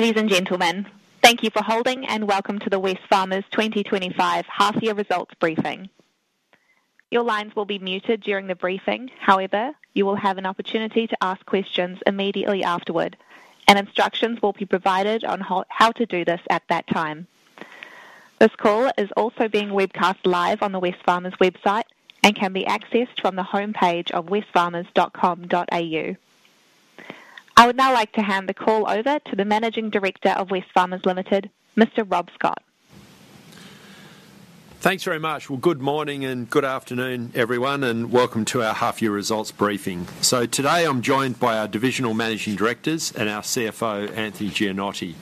Ladies and gentlemen, thank you for holding and welcome to the Wesfarmers 2025 half-year results briefing. Your lines will be muted during the briefing. However, you will have an opportunity to ask questions immediately afterward, and instructions will be provided on how to do this at that time. This call is also being webcast live on the Wesfarmers website and can be accessed from the homepage of wesfarmers.com.au. I would now like to hand the call over to the Managing Director of Wesfarmers Limited, Mr. Rob Scott. Thanks very much. Good morning and good afternoon, everyone, and welcome to our half-year results briefing. Today I'm joined by our divisional Managing Directors and our CFO, Anthony Gianotti.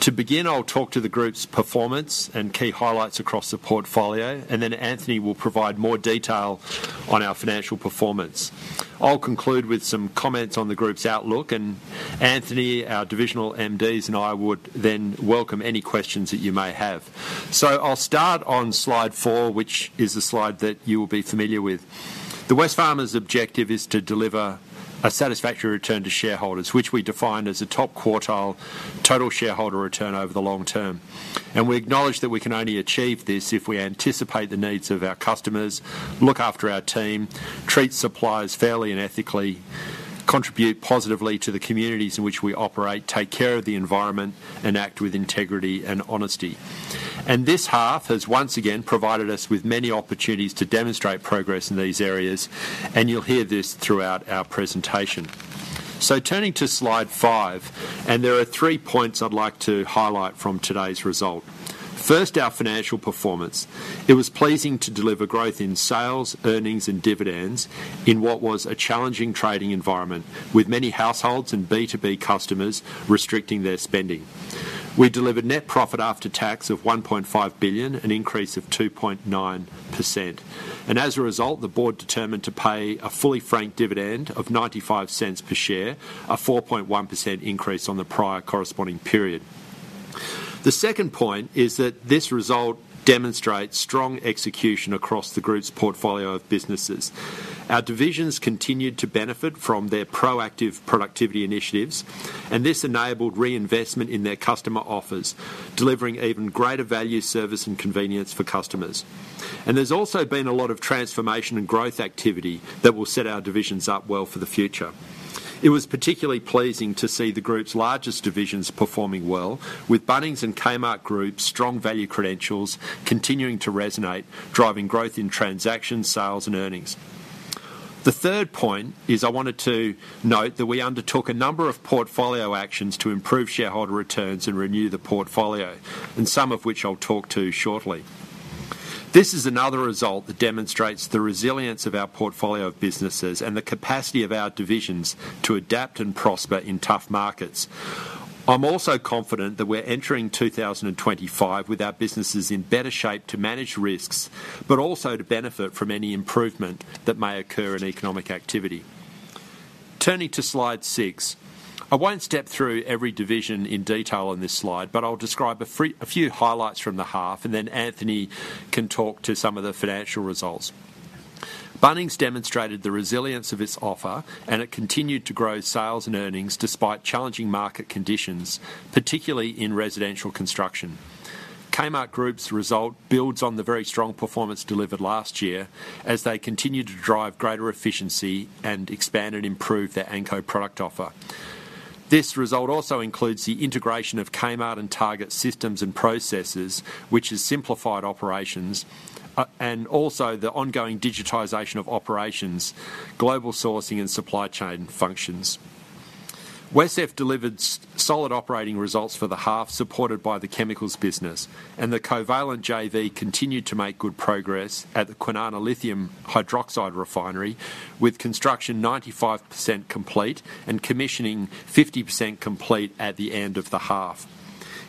To begin, I'll talk to the group's performance and key highlights across the portfolio, and then Anthony will provide more detail on our financial performance. I'll conclude with some comments on the group's outlook, and Anthony, our divisional MDs, and I would then welcome any questions that you may have. I'll start on slide four, which is the slide that you will be familiar with. The Wesfarmers objective is to deliver a satisfactory return to shareholders, which we define as a top quartile total shareholder return over the long term. We acknowledge that we can only achieve this if we anticipate the needs of our customers, look after our team, treat suppliers fairly and ethically, contribute positively to the communities in which we operate, take care of the environment, and act with integrity and honesty. This half has once again provided us with many opportunities to demonstrate progress in these areas, and you'll hear this throughout our presentation. Turning to slide five, there are three points I'd like to highlight from today's result. First, our financial performance. It was pleasing to deliver growth in sales, earnings, and dividends in what was a challenging trading environment, with many households and B2B customers restricting their spending. We delivered net profit after tax of 1.5 billion, an increase of 2.9%. As a result, the board determined to pay a fully franked dividend of 0.95 per share, a 4.1% increase on the prior corresponding period. The second point is that this result demonstrates strong execution across the group's portfolio of businesses. Our divisions continued to benefit from their proactive productivity initiatives, and this enabled reinvestment in their customer offers, delivering even greater value, service, and convenience for customers. There's also been a lot of transformation and growth activity that will set our divisions up well for the future. It was particularly pleasing to see the group's largest divisions performing well, with Bunnings and Kmart Group's strong value credentials continuing to resonate, driving growth in transactions, sales, and earnings. The third point is I wanted to note that we undertook a number of portfolio actions to improve shareholder returns and renew the portfolio, and some of which I'll talk to shortly. This is another result that demonstrates the resilience of our portfolio of businesses and the capacity of our divisions to adapt and prosper in tough markets. I'm also confident that we're entering 2025 with our businesses in better shape to manage risks, but also to benefit from any improvement that may occur in economic activity. Turning to slide six, I won't step through every division in detail on this slide, but I'll describe a few highlights from the half, and then Anthony can talk to some of the financial results. Bunnings demonstrated the resilience of its offer, and it continued to grow sales and earnings despite challenging market conditions, particularly in residential construction. Kmart Group's result builds on the very strong performance delivered last year, as they continue to drive greater efficiency and expand and improve their Anko product offer. This result also includes the integration of Kmart and Target systems and processes, which has simplified operations, and also the ongoing digitization of operations, global sourcing, and supply chain functions. WesCEF delivered solid operating results for the half, supported by the Chemicals business, and the Covalent JV continued to make good progress at the Kwinana Lithium Hydroxide Refinery, with construction 95% complete and commissioning 50% complete at the end of the half.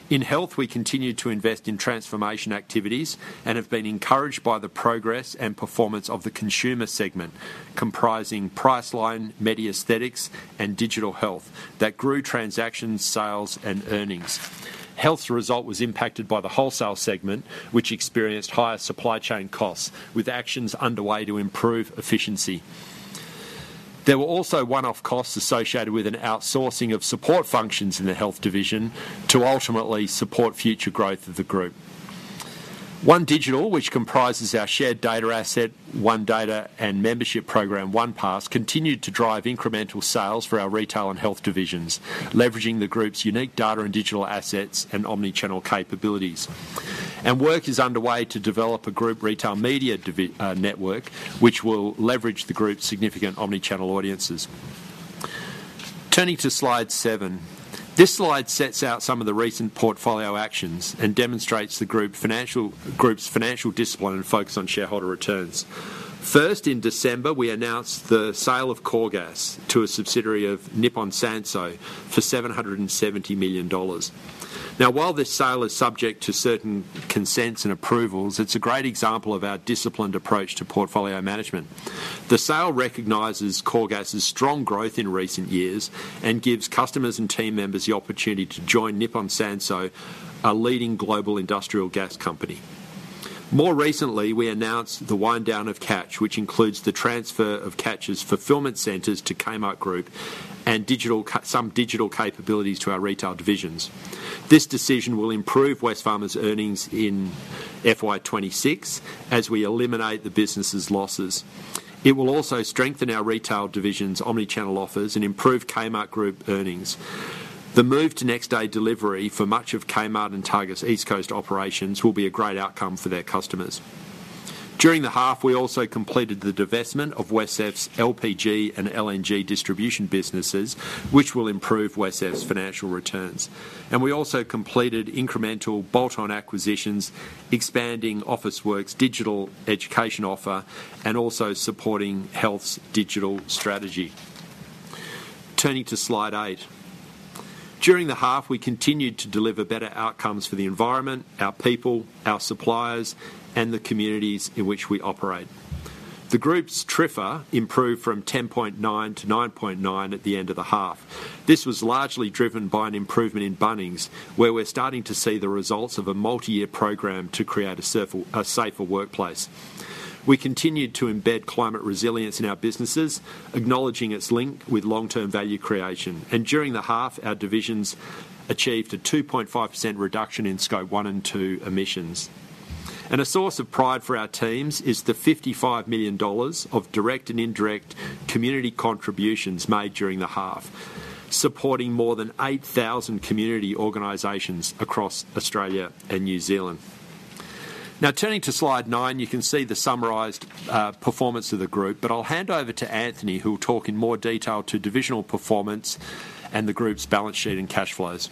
In Health, we continued to invest in transformation activities and have been encouraged by the progress and performance of the consumer segment, comprising Priceline, med and aesthetics, and digital Health, that grew transactions, sales, and earnings. Health's result was impacted by the wholesale segment, which experienced higher supply chain costs, with actions underway to improve efficiency. There were also one-off costs associated with an outsourcing of support functions in the Health division to ultimately support future growth of the group. OneDigital, which comprises our shared data asset, OneData, and membership program, OnePass, continued to drive incremental sales for our retail and Health divisions, leveraging the group's unique data and digital assets and omnichannel capabilities. Work is underway to develop a group retail media network, which will leverage the group's significant omnichannel audiences. Turning to slide seven, this slide sets out some of the recent portfolio actions and demonstrates the group's financial discipline and focus on shareholder returns. First, in December, we announced the sale of Coregas to a subsidiary of Nippon Sanso for 770 million dollars. Now, while this sale is subject to certain consents and approvals, it's a great example of our disciplined approach to portfolio management. The sale recognizes Coregas's strong growth in recent years and gives customers and team members the opportunity to join Nippon Sanso, a leading global industrial gas company. More recently, we announced the wind-down of Catch, which includes the transfer of Catch's fulfillment centers to Kmart Group and some digital capabilities to our retail divisions. This decision will improve Wesfarmers' earnings in FY 2026 as we eliminate the business's losses. It will also strengthen our retail division's omnichannel offers and improve Kmart Group earnings. The move to next-day delivery for much of Kmart and Target's East Coast operations will be a great outcome for their customers. During the half, we also completed the divestment of WesCEF LPG and LNG distribution businesses, which will improve WesCEF financial returns. We also completed incremental bolt-on acquisitions, expanding Officeworks' digital education offer and also supporting Health's digital strategy. Turning to slide eight, during the half, we continued to deliver better outcomes for the environment, our people, our suppliers, and the communities in which we operate. The group's TRIFR improved from 10.9 to 9.9 at the end of the half. This was largely driven by an improvement in Bunnings, where we're starting to see the results of a multi-year program to create a safer workplace. We continued to embed climate resilience in our businesses, acknowledging its link with long-term value creation. During the half, our divisions achieved a 2.5% reduction in scope one and two emissions. A source of pride for our teams is the $55 million of direct and indirect community contributions made during the half, supporting more than 8,000 community organizations across Australia and New Zealand. Now, turning to slide nine, you can see the summarized performance of the group, but I'll hand over to Anthony, who will talk in more detail to divisional performance and the group's balance sheet and cash flows.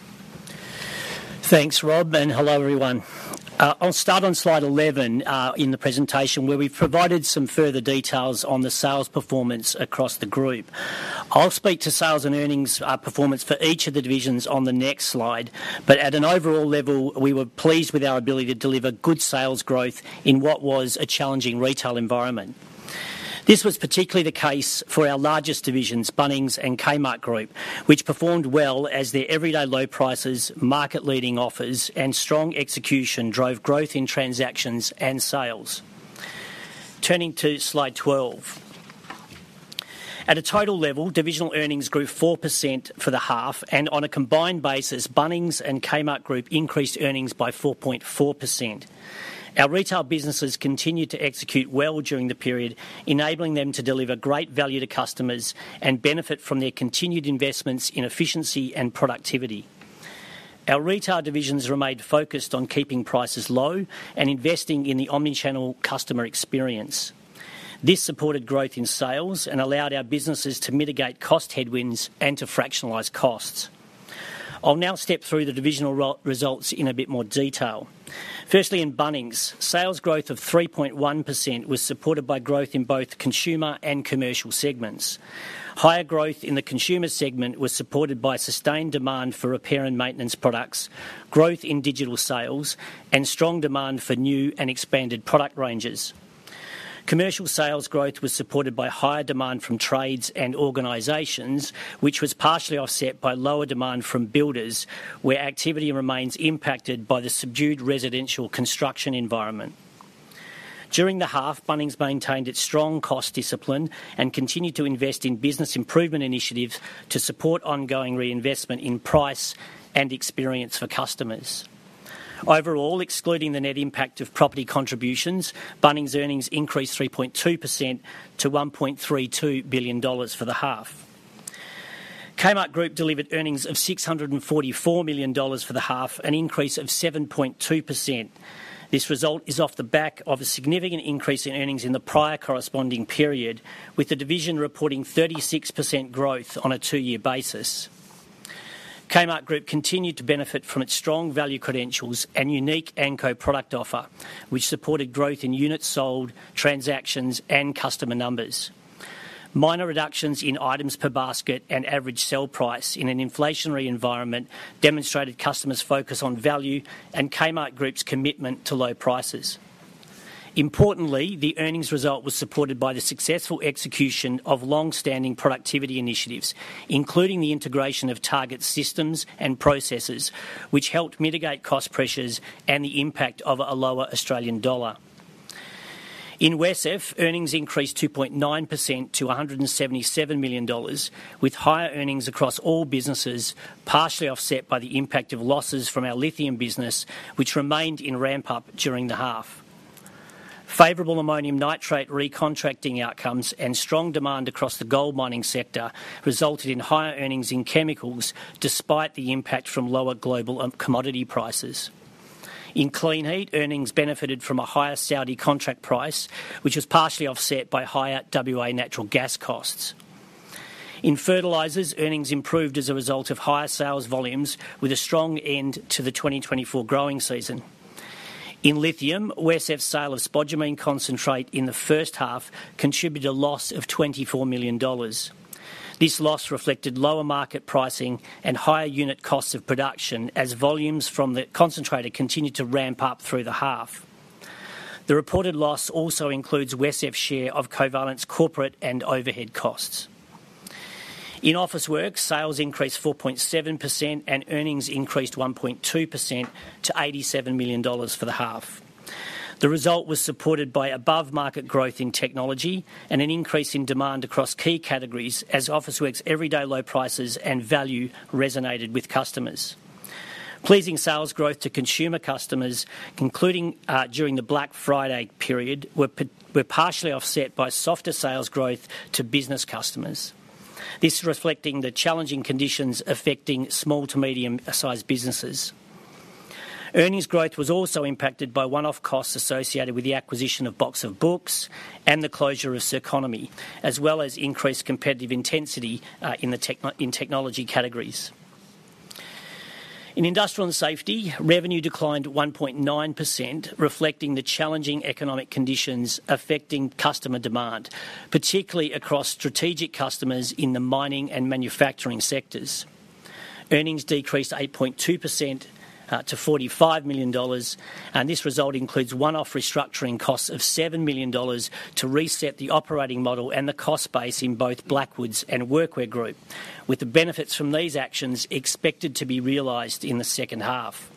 Thanks, Rob, and hello, everyone. I'll start on slide 11 in the presentation where we've provided some further details on the sales performance across the group. I'll speak to sales and earnings performance for each of the divisions on the next slide, but at an overall level, we were pleased with our ability to deliver good sales growth in what was a challenging retail environment. This was particularly the case for our largest divisions, Bunnings and Kmart Group, which performed well as their everyday low prices, market-leading offers, and strong execution drove growth in transactions and sales. Turning to slide 12, at a total level, divisional earnings grew 4% for the half, and on a combined basis, Bunnings and Kmart Group increased earnings by 4.4%. Our retail businesses continued to execute well during the period, enabling them to deliver great value to customers and benefit from their continued investments in efficiency and productivity. Our retail divisions remained focused on keeping prices low and investing in the omnichannel customer experience. This supported growth in sales and allowed our businesses to mitigate cost headwinds and to fractionalize costs. I'll now step through the divisional results in a bit more detail. Firstly, in Bunnings, sales growth of 3.1% was supported by growth in both consumer and commercial segments. Higher growth in the consumer segment was supported by sustained demand for repair and maintenance products, growth in digital sales, and strong demand for new and expanded product ranges. Commercial sales growth was supported by higher demand from trades and organizations, which was partially offset by lower demand from builders, where activity remains impacted by the subdued residential construction environment. During the half, Bunnings maintained its strong cost discipline and continued to invest in business improvement initiatives to support ongoing reinvestment in price and experience for customers. Overall, excluding the net impact of property contributions, Bunnings' earnings increased 3.2% to 1.32 billion dollars for the half. Kmart Group delivered earnings of 644 million dollars for the half, an increase of 7.2%. This result is off the back of a significant increase in earnings in the prior corresponding period, with the division reporting 36% growth on a two-year basis. Kmart Group continued to benefit from its strong value credentials and unique Anko product offer, which supported growth in units sold, transactions, and customer numbers. Minor reductions in items per basket and average sale price in an inflationary environment demonstrated customers' focus on value and Kmart Group's commitment to low prices. Importantly, the earnings result was supported by the successful execution of long-standing productivity initiatives, including the integration of Target's systems and processes, which helped mitigate cost pressures and the impact of a lower Australian dollar. In Wesf, earnings increased 2.9% to 177 million dollars, with higher earnings across all businesses, partially offset by the impact of losses from our Lithium business, which remained in ramp-up during the half. Favorable ammonium nitrate recontracting outcomes and strong demand across the gold mining sector resulted in higher earnings in Chemicals, despite the impact from lower global commodity prices. In Kleenheat, earnings benefited from a higher Saudi contract price, which was partially offset by higher WA natural gas costs. In Fertilisers, earnings improved as a result of higher sales volumes, with a strong end to the 2024 growing season. In Lithium, WesCEF's sale of spodumene concentrate in the first half contributed a loss of 24 million dollars. This loss reflected lower market pricing and higher unit costs of production, as volumes from the concentrator continued to ramp up through the half. The reported loss also includes WesCEF's share of Covalent's corporate and overhead costs. In Officeworks, sales increased 4.7% and earnings increased 1.2% to 87 million dollars for the half. The result was supported by above-market growth in technology and an increase in demand across key categories, as Officeworks' everyday low prices and value resonated with customers. Pleasing sales growth to consumer customers, including during the Black Friday period, were partially offset by softer sales growth to business customers. This is reflecting the challenging conditions affecting small to medium-sized businesses. Earnings growth was also impacted by one-off costs associated with the acquisition of Box of Books and the closure of Circonomy, as well as increased competitive intensity in technology categories. In Industrial and Safety, revenue declined 1.9%, reflecting the challenging economic conditions affecting customer demand, particularly across strategic customers in the mining and manufacturing sectors. Earnings decreased 8.2% to 45 million dollars, and this result includes one-off restructuring costs of 7 million dollars to reset the operating model and the cost base in both Blackwoods and Workwear Group, with the benefits from these actions expected to be realized in the second half.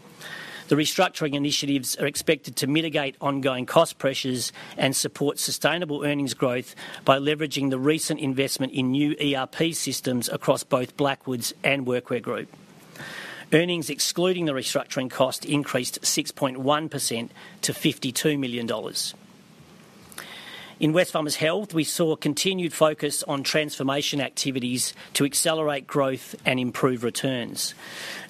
The restructuring initiatives are expected to mitigate ongoing cost pressures and support sustainable earnings growth by leveraging the recent investment in new ERP systems across both Blackwoods and Workwear Group. Earnings excluding the restructuring cost increased 6.1% to AUD 52 million. In Wesfarmers Health, we saw continued focus on transformation activities to accelerate growth and improve returns.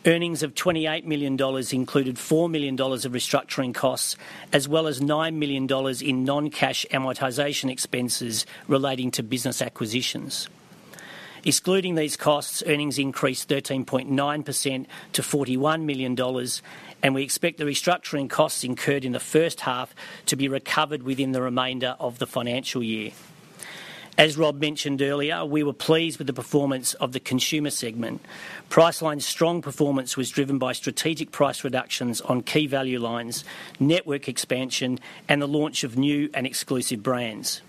Earnings of AUD 28 million included AUD 4 million of restructuring costs, as well as AUD 9 million in non-cash amortization expenses relating to business acquisitions. Excluding these costs, earnings increased 13.9% to AUD 41 million, and we expect the restructuring costs incurred in the first half to be recovered within the remainder of the financial year. As Rob mentioned earlier, we were pleased with the performance of the consumer segment. Priceline's strong performance was driven by strategic price reductions on key value lines, network expansion, and the launch of new and exclusive brands.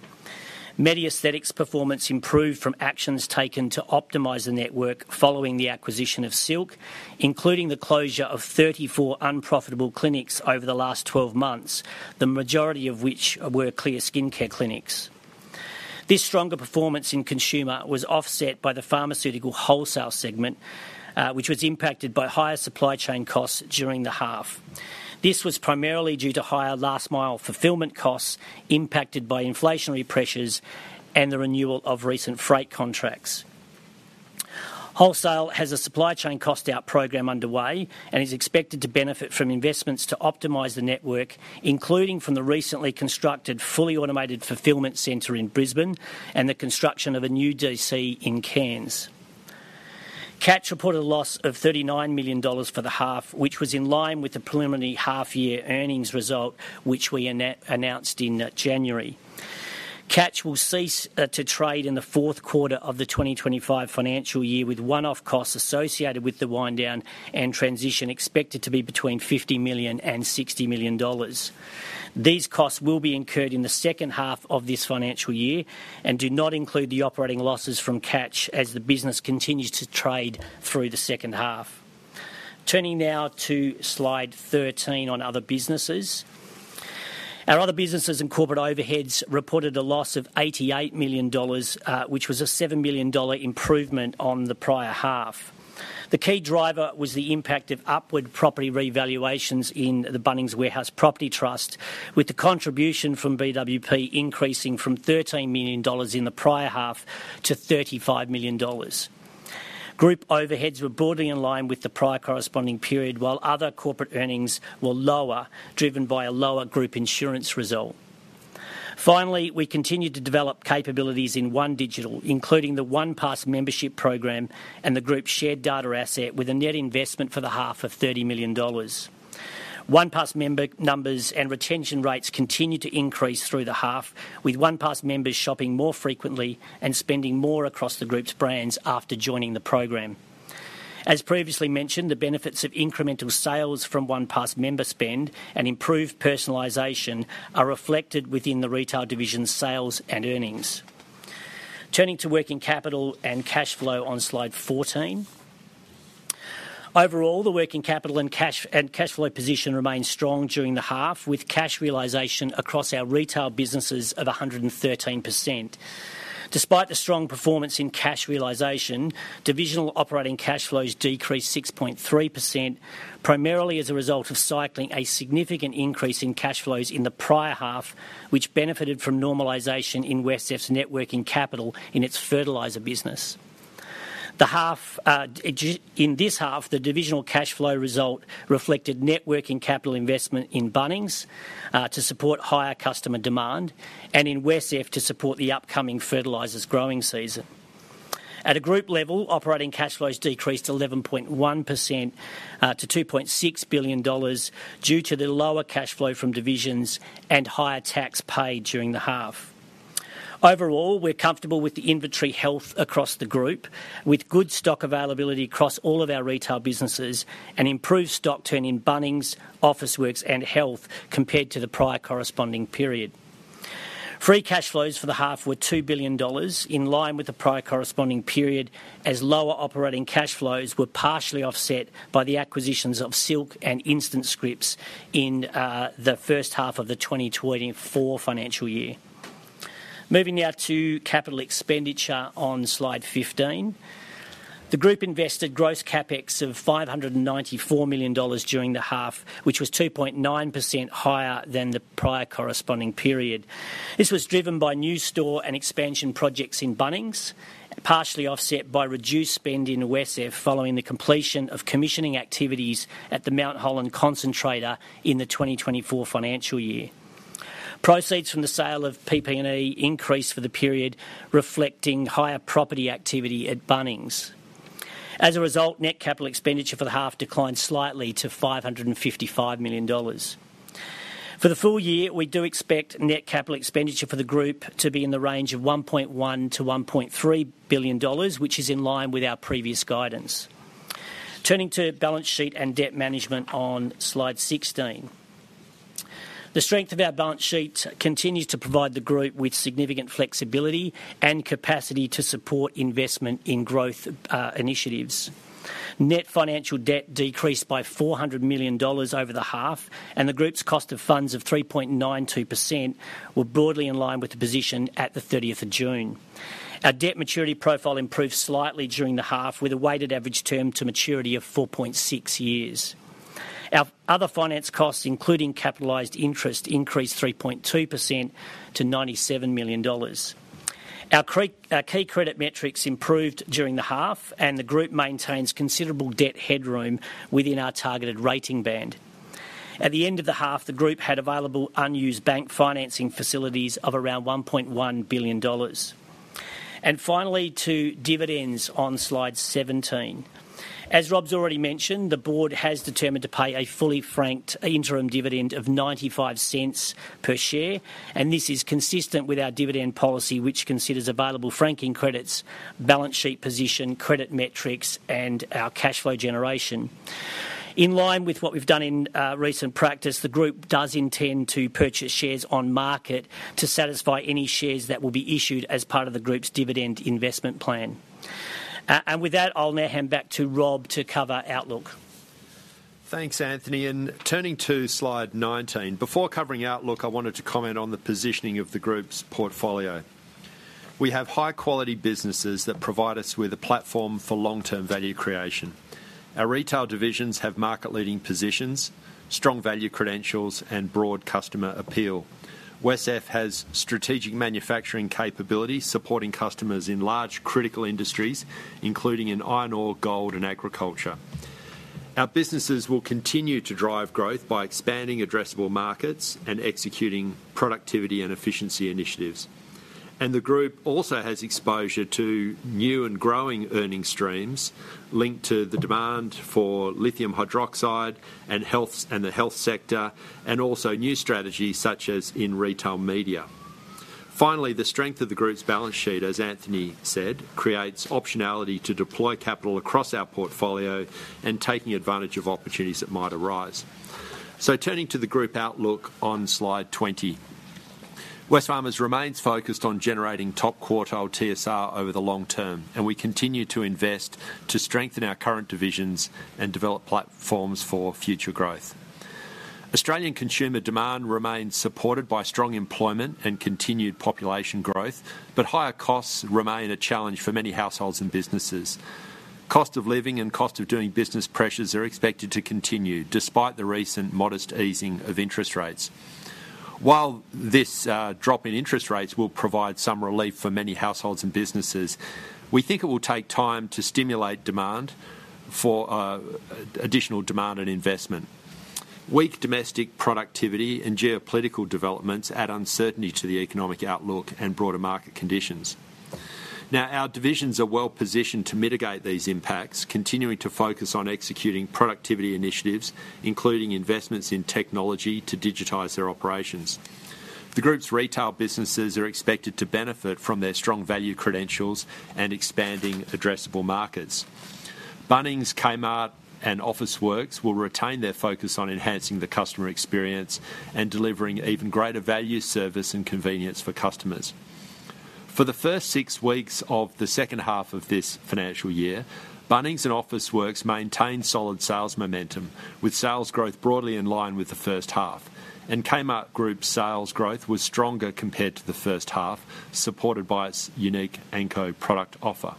In the aesthetics performance improved from actions taken to optimize the network following the acquisition of Silk, including the closure of 34 unprofitable clinics over the last 12 months, the majority of which were Clear Skincare Clinics. This stronger performance in consumer was offset by the pharmaceutical wholesale segment, which was impacted by higher supply chain costs during the half. This was primarily due to higher last-mile fulfillment costs impacted by inflationary pressures and the renewal of recent freight contracts. Wholesale has a supply chain cost-out program underway and is expected to benefit from investments to optimize the network, including from the recently constructed fully automated fulfillment center in Brisbane and the construction of a new DC in Cairns. Catch reported a loss of 39 million dollars for the half, which was in line with the preliminary half-year earnings result, which we announced in January. Catch will cease to trade in the fourth quarter of the 2025 financial year, with one-off costs associated with the wind-down and transition expected to be between 50 million and 60 million dollars. These costs will be incurred in the second half of this financial year and do not include the operating losses from Catch as the business continues to trade through the second half. Turning now to slide 13 on other businesses. Our other businesses and corporate overheads reported a loss of 88 million dollars, which was a 7 million dollar improvement on the prior half. The key driver was the impact of upward property revaluations in the Bunnings Warehouse Property Trust, with the contribution from BWP increasing from AUD 13 million in the prior half to AUD 35 million. Group overheads were broadly in line with the prior corresponding period, while other corporate earnings were lower, driven by a lower group insurance result. Finally, we continued to develop capabilities in OneDigital, including the OnePass membership program and the group's shared data asset, with a net investment for the half of 30 million dollars. OnePass member numbers and retention rates continued to increase through the half, with OnePass members shopping more frequently and spending more across the group's brands after joining the program. As previously mentioned, the benefits of incremental sales from OnePass member spend and improved personalization are reflected within the retail division's sales and earnings. Turning to working capital and cash flow on slide 14, overall, the working capital and cash flow position remained strong during the half, with cash realization across our retail businesses of 113%. Despite the strong performance in cash realization, divisional operating cash flows decreased 6.3%, primarily as a result of cycling a significant increase in cash flows in the prior half, which benefited from normalization in Wesf's working capital in its fertilizer business. In this half, the divisional cash flow result reflected working capital investment in Bunnings to support higher customer demand and in Wesf to support the upcoming Fertilisers growing season. At a group level, operating cash flows decreased 11.1% to 2.6 billion dollars due to the lower cash flow from divisions and higher tax paid during the half. Overall, we're comfortable with the inventory Health across the group, with good stock availability across all of our retail businesses and improved stock turn in Bunnings, Officeworks, and Health compared to the prior corresponding period. Free cash flows for the half were 2 billion dollars, in line with the prior corresponding period, as lower operating cash flows were partially offset by the acquisitions of Silk and InstantScripts in the first half of the 2024 financial year. Moving now to capital expenditure on slide 15, the group invested gross CapEx of 594 million dollars during the half, which was 2.9% higher than the prior corresponding period. This was driven by new store and expansion projects in Bunnings, partially offset by reduced spend in Wesf following the completion of commissioning activities at the Mount Holland concentrator in the 2024 financial year. Proceeds from the sale of PP&E increased for the period, reflecting higher property activity at Bunnings. As a result, net capital expenditure for the half declined slightly to 555 million dollars. For the full year, we do expect net capital expenditure for the group to be in the range of 1.1 to 1.3 billion dollars, which is in line with our previous guidance. Turning to balance sheet and debt management on slide 16, the strength of our balance sheet continues to provide the group with significant flexibility and capacity to support investment in growth initiatives. Net financial debt decreased by 400 million dollars over the half, and the group's cost of funds of 3.92% were broadly in line with the position at the 30th of June. Our debt maturity profile improved slightly during the half, with a weighted average term to maturity of 4.6 years. Our other finance costs, including capitalized interest, increased 3.2% to 97 million dollars. Our key credit metrics improved during the half, and the group maintains considerable debt headroom within our targeted rating band. At the end of the half, the group had available unused bank financing facilities of around 1.1 billion dollars, and finally, to dividends on slide 17. As Rob's already mentioned, the board has determined to pay a fully franked interim dividend of 0.95 per share, and this is consistent with our dividend policy, which considers available franking credits, balance sheet position, credit metrics, and our cash flow generation. In line with what we've done in recent practice, the group does intend to purchase shares on market to satisfy any shares that will be issued as part of the group's dividend investment plan. And with that, I'll now hand back to Rob to cover Outlook. Thanks, Anthony. And turning to slide 19, before covering Outlook, I wanted to comment on the positioning of the group's portfolio. We have high-quality businesses that provide us with a platform for long-term value creation. Our retail divisions have market-leading positions, strong value credentials, and broad customer appeal. Wesf has strategic manufacturing capabilities, supporting customers in large critical industries, including in iron ore, gold, and agriculture. Our businesses will continue to drive growth by expanding addressable markets and executing productivity and efficiency initiatives, and the group also has exposure to new and growing earnings streams linked to the demand for Lithium hydroxide and the Health sector, and also new strategies such as in retail media. Finally, the strength of the group's balance sheet, as Anthony said, creates optionality to deploy capital across our portfolio and taking advantage of opportunities that might arise, so turning to the group Outlook on slide 20, Wesfarmers remains focused on generating top quartile TSR over the long term, and we continue to invest to strengthen our current divisions and develop platforms for future growth. Australian consumer demand remains supported by strong employment and continued population growth, but higher costs remain a challenge for many households and businesses. Cost of living and cost of doing business pressures are expected to continue despite the recent modest easing of interest rates. While this drop in interest rates will provide some relief for many households and businesses, we think it will take time to stimulate additional demand and investment. Weak domestic productivity and geopolitical developments add uncertainty to the economic outlook and broader market conditions. Now, our divisions are well positioned to mitigate these impacts, continuing to focus on executing productivity initiatives, including investments in technology to digitize their operations. The group's retail businesses are expected to benefit from their strong value credentials and expanding addressable markets. Bunnings, Kmart, and Officeworks will retain their focus on enhancing the customer experience and delivering even greater value, service, and convenience for customers. For the first six weeks of the second half of this financial year, Bunnings and Officeworks maintained solid sales momentum, with sales growth broadly in line with the first half. Kmart Group's sales growth was stronger compared to the first half, supported by its unique Anko product offer.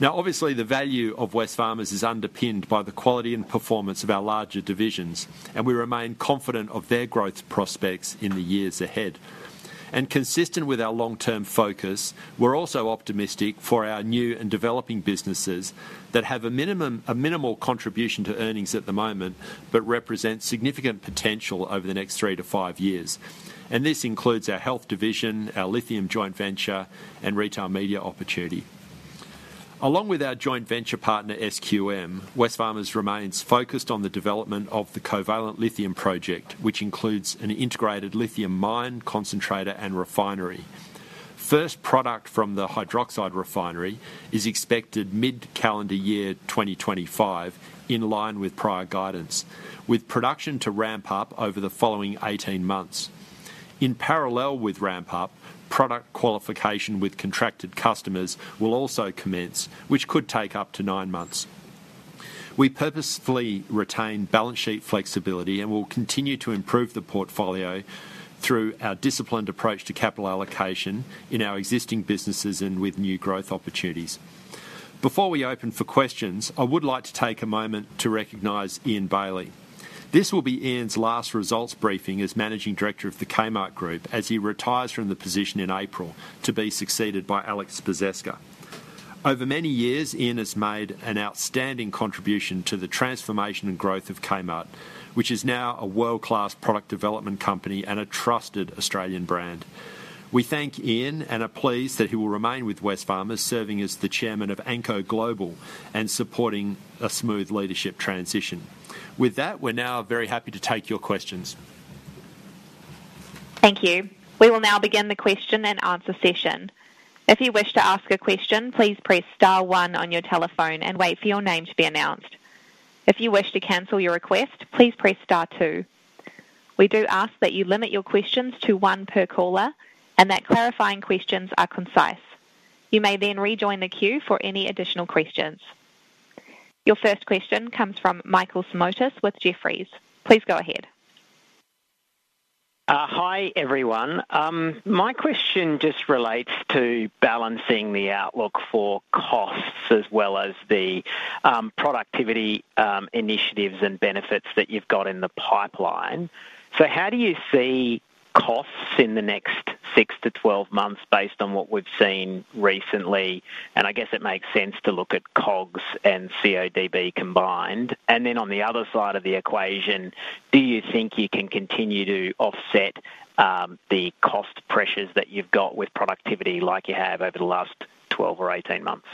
Now, obviously, the value of Wesfarmers is underpinned by the quality and performance of our larger divisions, and we remain confident of their growth prospects in the years ahead. Consistent with our long-term focus, we're also optimistic for our new and developing businesses that have a minimal contribution to earnings at the moment but represent significant potential over the next three to five years. This includes our Health division, our Lithium joint venture, and retail media opportunity. Along with our joint venture partner SQM, Wesfarmers remains focused on the development of the Covalent Lithium project, which includes an integrated Lithium mine, concentrator, and refinery. First product from the hydroxide refinery is expected mid-calendar year 2025, in line with prior guidance, with production to ramp up over the following 18 months. In parallel with ramp up, product qualification with contracted customers will also commence, which could take up to nine months. We purposefully retain balance sheet flexibility and will continue to improve the portfolio through our disciplined approach to capital allocation in our existing businesses and with new growth opportunities. Before we open for questions, I would like to take a moment to recognize Ian Bailey. This will be Ian's last results briefing as Managing Director of the Kmart Group as he retires from the position in April to be succeeded by Aleks Spaseska. Over many years, Ian has made an outstanding contribution to the transformation and growth of Kmart, which is now a world-class product development company and a trusted Australian brand. We thank Ian and are pleased that he will remain with Wesfarmers, serving as the Chairman of Anko Global and supporting a smooth leadership transition. With that, we're now very happy to take your questions. Thank you. We will now begin the question and answer session. If you wish to ask a question, please press star one on your telephone and wait for your name to be announced. If you wish to cancel your request, please press star two. We do ask that you limit your questions to one per caller and that clarifying questions are concise. You may then rejoin the queue for any additional questions. Your first question comes from Michael Simotas with Jefferies. Please go ahead. Hi everyone. My question just relates to balancing the outlook for costs as well as the productivity initiatives and benefits that you've got in the pipeline. So how do you see costs in the next 6 to 12 months based on what we've seen recently, and I guess it makes sense to look at COGS and CODB combined. And then on the other side of the equation, do you think you can continue to offset the cost pressures that you've got with productivity like you have over the last 12 or 18 months?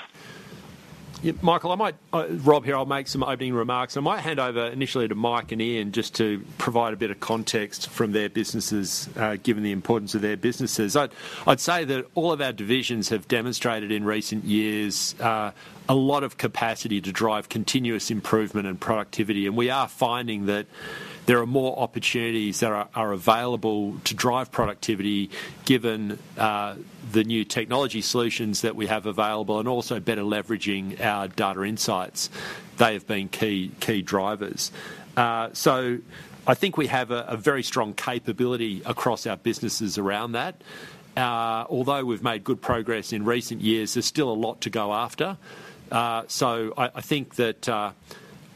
Michael, I might. Rob here, I'll make some opening remarks. I might hand over initially to Mike and Ian just to provide a bit of context from their businesses, given the importance of their businesses. I'd say that all of our divisions have demonstrated in recent years a lot of capacity to drive continuous improvement and productivity. And we are finding that there are more opportunities that are available to drive productivity given the new technology solutions that we have available and also better leveraging our data insights. They have been key drivers. So I think we have a very strong capability across our businesses around that. Although we've made good progress in recent years, there's still a lot to go after. So I think that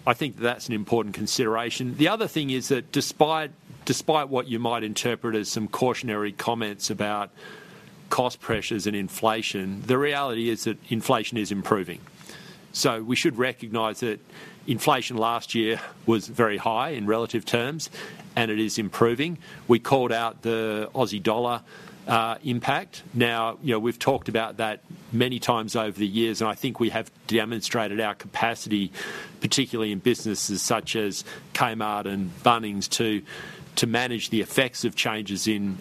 that's an important consideration. The other thing is that despite what you might interpret as some cautionary comments about cost pressures and inflation, the reality is that inflation is improving. So we should recognize that inflation last year was very high in relative terms, and it is improving. We called out the Aussie dollar impact. Now, we've talked about that many times over the years, and I think we have demonstrated our capacity, particularly in businesses such as Kmart and Bunnings, to manage the effects of changes in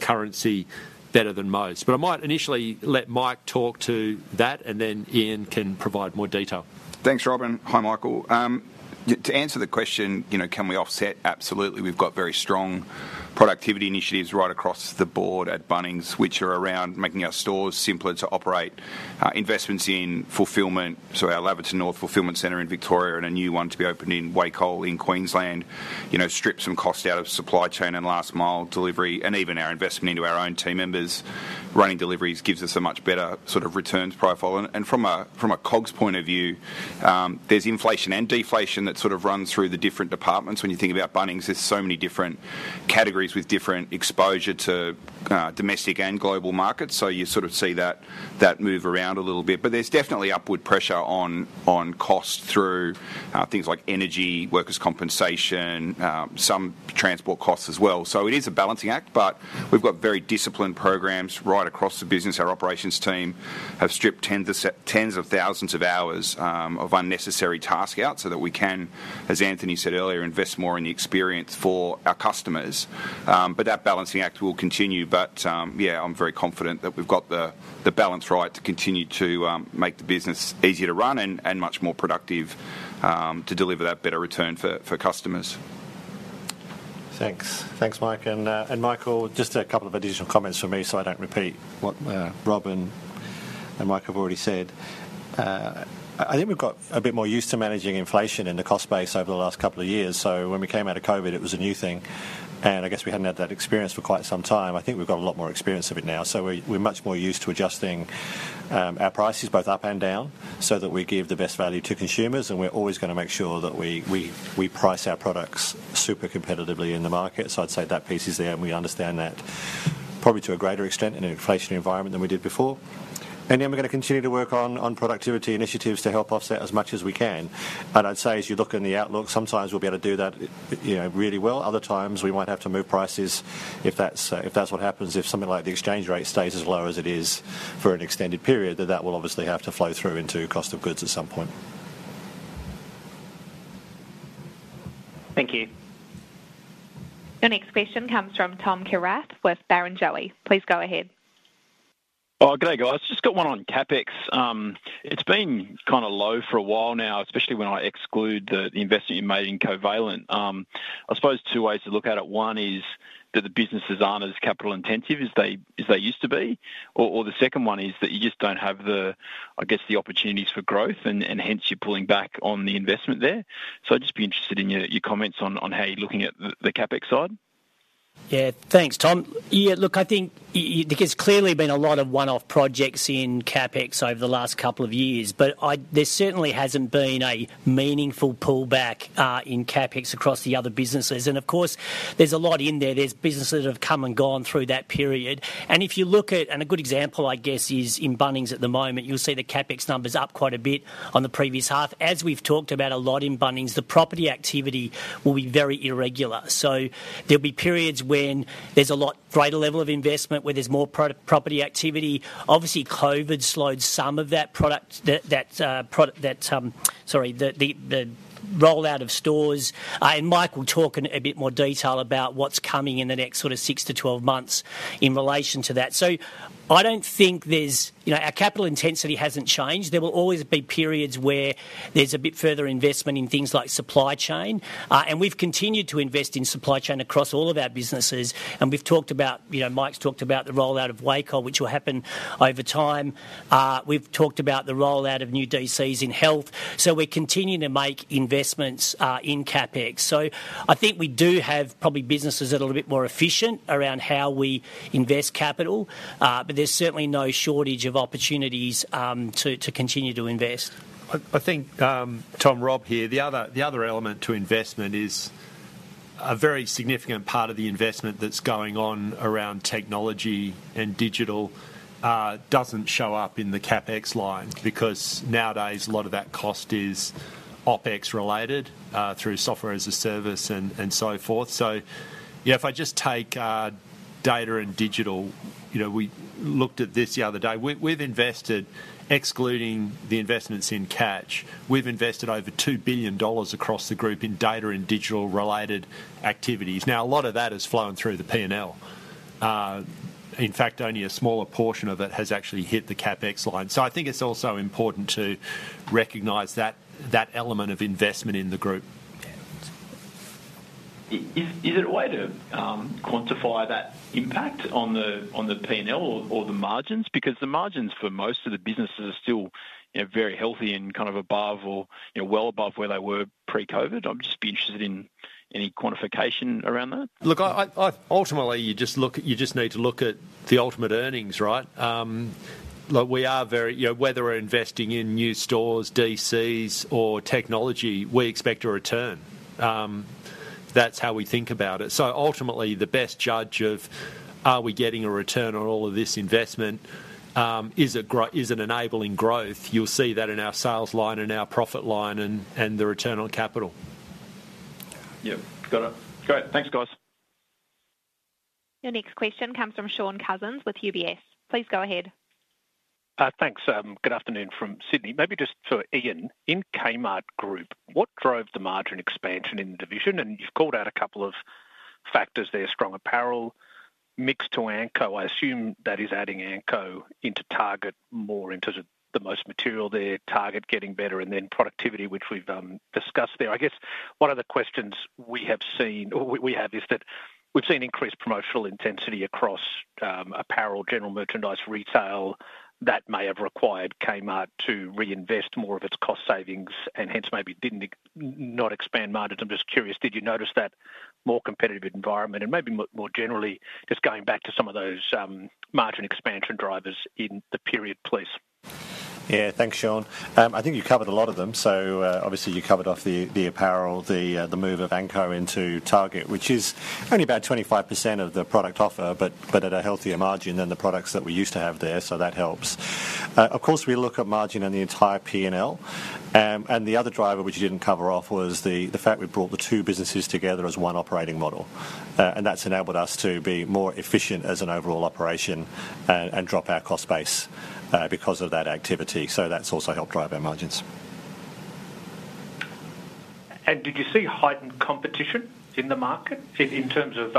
currency better than most. But I might initially let Mike talk to that, and then Ian can provide more detail. Thanks, Rob. Hi, Michael. To answer the question, can we offset? Absolutely. We've got very strong productivity initiatives right across the board at Bunnings, which are around making our stores simpler to operate, investments in fulfillment. So our Laverton North fulfillment center in Victoria and a new one to be opened in Wacol in Queensland strips some cost out of supply chain and last mile delivery. Even our investment into our own team members running deliveries gives us a much better sort of returns profile. From a COGS point of view, there's inflation and deflation that sort of runs through the different departments. When you think about Bunnings, there's so many different categories with different exposure to domestic and global markets. You sort of see that move around a little bit. There's definitely upward pressure on costs through things like energy, workers' compensation, some transport costs as well. It is a balancing act, but we've got very disciplined programs right across the business. Our operations team have stripped tens of thousands of hours of unnecessary task out so that we can, as Anthony said earlier, invest more in the experience for our customers. That balancing act will continue. Yeah, I'm very confident that we've got the balance right to continue to make the business easier to run and much more productive to deliver that better return for customers. Thanks. Thanks, Mike. And Michael, just a couple of additional comments from me so I don't repeat what Rob and Mike have already said. I think we've got a bit more used to managing inflation in the cost base over the last couple of years. So when we came out of COVID, it was a new thing. And I guess we hadn't had that experience for quite some time. I think we've got a lot more experience of it now. So we're much more used to adjusting our prices both up and down so that we give the best value to consumers. And we're always going to make sure that we price our products super competitively in the market. So I'd say that piece is there, and we understand that probably to a greater extent in an inflationary environment than we did before. And then we're going to continue to work on productivity initiatives to help offset as much as we can. And I'd say as you look in the Outlook, sometimes we'll be able to do that really well. Other times, we might have to move prices if that's what happens. If something like the exchange rate stays as low as it is for an extended period, that will obviously have to flow through into cost of goods at some point. Thank you. The next question comes from Tom Kierath with Barrenjoey. Please go ahead. Oh, good day. I've just got one on CapEx. It's been kind of low for a while now, especially when I exclude the investment you made in Covalent. I suppose two ways to look at it. One is that the businesses aren't as capital intensive as they used to be. Or the second one is that you just don't have, I guess, the opportunities for growth, and hence you're pulling back on the investment there. So I'd just be interested in your comments on how you're looking at the CapEx side. Yeah, thanks, Tom. Yeah, look, I think there's clearly been a lot of one-off projects in CapEx over the last couple of years, but there certainly hasn't been a meaningful pullback in CapEx across the other businesses. And of course, there's a lot in there. There's businesses that have come and gone through that period. And if you look at, and a good example, I guess, is in Bunnings at the moment, you'll see the CapEx numbers up quite a bit on the previous half. As we've talked about a lot in Bunnings, the property activity will be very irregular, so there'll be periods when there's a lot greater level of investment, where there's more property activity. Obviously, COVID slowed some of that product, sorry, the rollout of stores, and Mike will talk in a bit more detail about what's coming in the next sort of six to 12 months in relation to that, so I don't think our capital intensity hasn't changed. There will always be periods where there's a bit further investment in things like supply chain, and we've continued to invest in supply chain across all of our businesses, and we've talked about Mike's talked about the rollout of Wacol, which will happen over time. We've talked about the rollout of new DCs in Health, so we're continuing to make investments in CapEx. I think we do have probably businesses that are a little bit more efficient around how we invest capital, but there's certainly no shortage of opportunities to continue to invest. I think, Tom, Rob here, the other element to investment is a very significant part of the investment that's going on around technology and digital doesn't show up in the CapEx line because nowadays a lot of that cost is OpEx related through software as a service and so forth. So yeah, if I just take data and digital, we looked at this the other day. We've invested, excluding the investments in Catch, we've invested over 2 billion dollars across the group in data and digital-related activities. Now, a lot of that is flowing through the P&L. In fact, only a smaller portion of it has actually hit the CapEx line. So I think it's also important to recognize that element of investment in the group. Is there a way to quantify that impact on the P&L or the margins? Because the margins for most of the businesses are still very Healthy and kind of above or well above where they were pre-COVID. I'd just be interested in any quantification around that. Look, ultimately, you just need to look at the ultimate earnings, right? We are very, whether we're investing in new stores, DCs, or technology, we expect a return. That's how we think about it. So ultimately, the best judge of are we getting a return on all of this investment is an enabling growth. You'll see that in our sales line and our profit line and the return on capital. Yeah, got it. Great. Thanks, guys. Your next question comes from Shaun Cousins with UBS. Please go ahead. Thanks. Good afternoon from Sydney. Maybe just for Ian, in Kmart Group, what drove the margin expansion in the division? And you've called out a couple of factors there: strong apparel, mix to Anko. I assume that is adding Anko into Target more in terms of the most material there, Target getting better, and then productivity, which we've discussed there. I guess one of the questions we have seen or we have is that we've seen increased promotional intensity across apparel, general merchandise, retail that may have required Kmart to reinvest more of its cost savings and hence maybe did not expand margins. I'm just curious, did you notice that more competitive environment and maybe more generally just going back to some of those margin expansion drivers in the period, please? Yeah, thanks, Shaun. I think you covered a lot of them. So obviously, you covered off the apparel, the move of Anko into Target, which is only about 25% of the product offer, but at a Healthier margin than the products that we used to have there. So that helps. Of course, we look at margin and the entire P&L. And the other driver, which you didn't cover off, was the fact we brought the two businesses together as one operating model. And that's enabled us to be more efficient as an overall operation and drop our cost base because of that activity. So that's also helped drive our margins. And did you see heightened competition in the market in terms of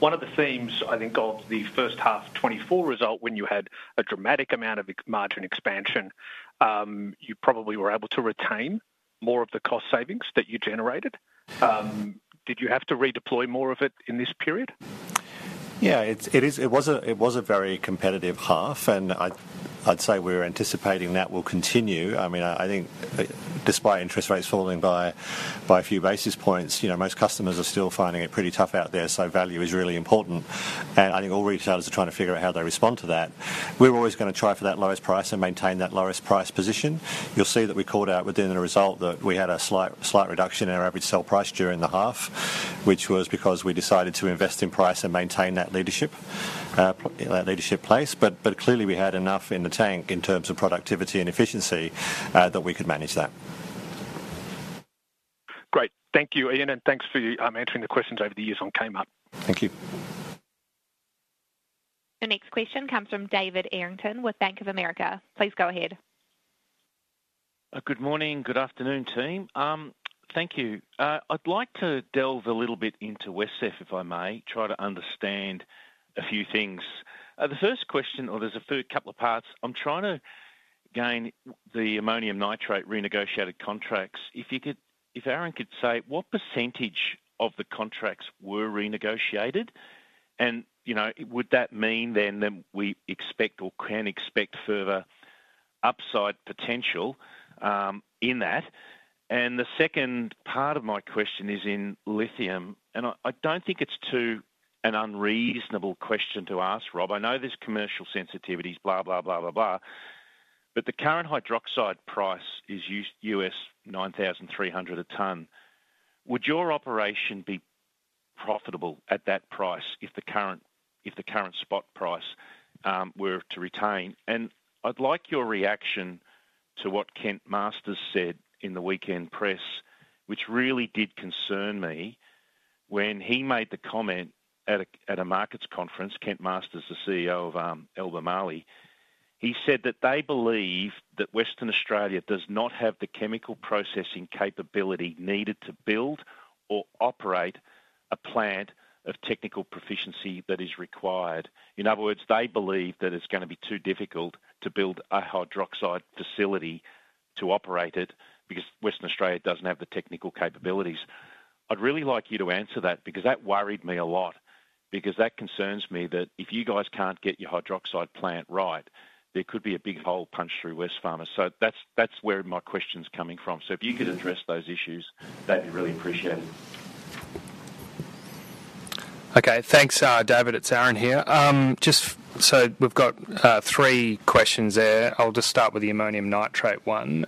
one of the themes, I think, of the first half 2024 result when you had a dramatic amount of margin expansion? You probably were able to retain more of the cost savings that you generated. Did you have to redeploy more of it in this period? Yeah, it was a very competitive half. And I'd say we're anticipating that will continue. I mean, I think despite interest rates falling by a few basis points, most customers are still finding it pretty tough out there. So value is really important. And I think all retailers are trying to figure out how they respond to that. We're always going to try for that lowest price and maintain that lowest price position. You'll see that we called out within the result that we had a slight reduction in our average sale price during the half, which was because we decided to invest in price and maintain that leadership position. But clearly, we had enough in the tank in terms of productivity and efficiency that we could manage that. Great. Thank you, Ian. And thanks for answering the questions over the years on Kmart. Thank you. The next question comes from David Errington with Bank of America. Please go ahead. Good morning. Good afternoon, team. Thank you. I'd like to delve a little bit into Wesf, if I may, try to understand a few things. The first question, or there's a couple of parts. I'm trying to gain the ammonium nitrate renegotiated contracts. If Aaron could say what percentage of the contracts were renegotiated, and would that mean then that we expect or can expect further upside potential in that? And the second part of my question is in Lithium. And I don't think it's not too unreasonable a question to ask, Rob. I know there's commercial sensitivities, blah, blah, blah, blah, blah. But the current hydroxide price is $9,300 a ton. Would your operation be profitable at that price if the current spot price were to retain? And I'd like your reaction to what Kent Masters said in the weekend press, which really did concern me when he made the comment at a markets conference. Kent Masters is the CEO of Albemarle. He said that they believe that Western Australia does not have the chemical processing capability needed to build or operate a plant of technical proficiency that is required. In other words, they believe that it's going to be too difficult to build a hydroxide facility to operate it because Western Australia doesn't have the technical capabilities. I'd really like you to answer that because that worried me a lot. Because that concerns me that if you guys can't get your hydroxide plant right, there could be a big hole punched through Wesfarmers. So that's where my question's coming from. So if you could address those issues, that'd be really appreciated. Okay. Thanks, David. It's Aaron here. So we've got three questions there. I'll just start with the ammonium nitrate one.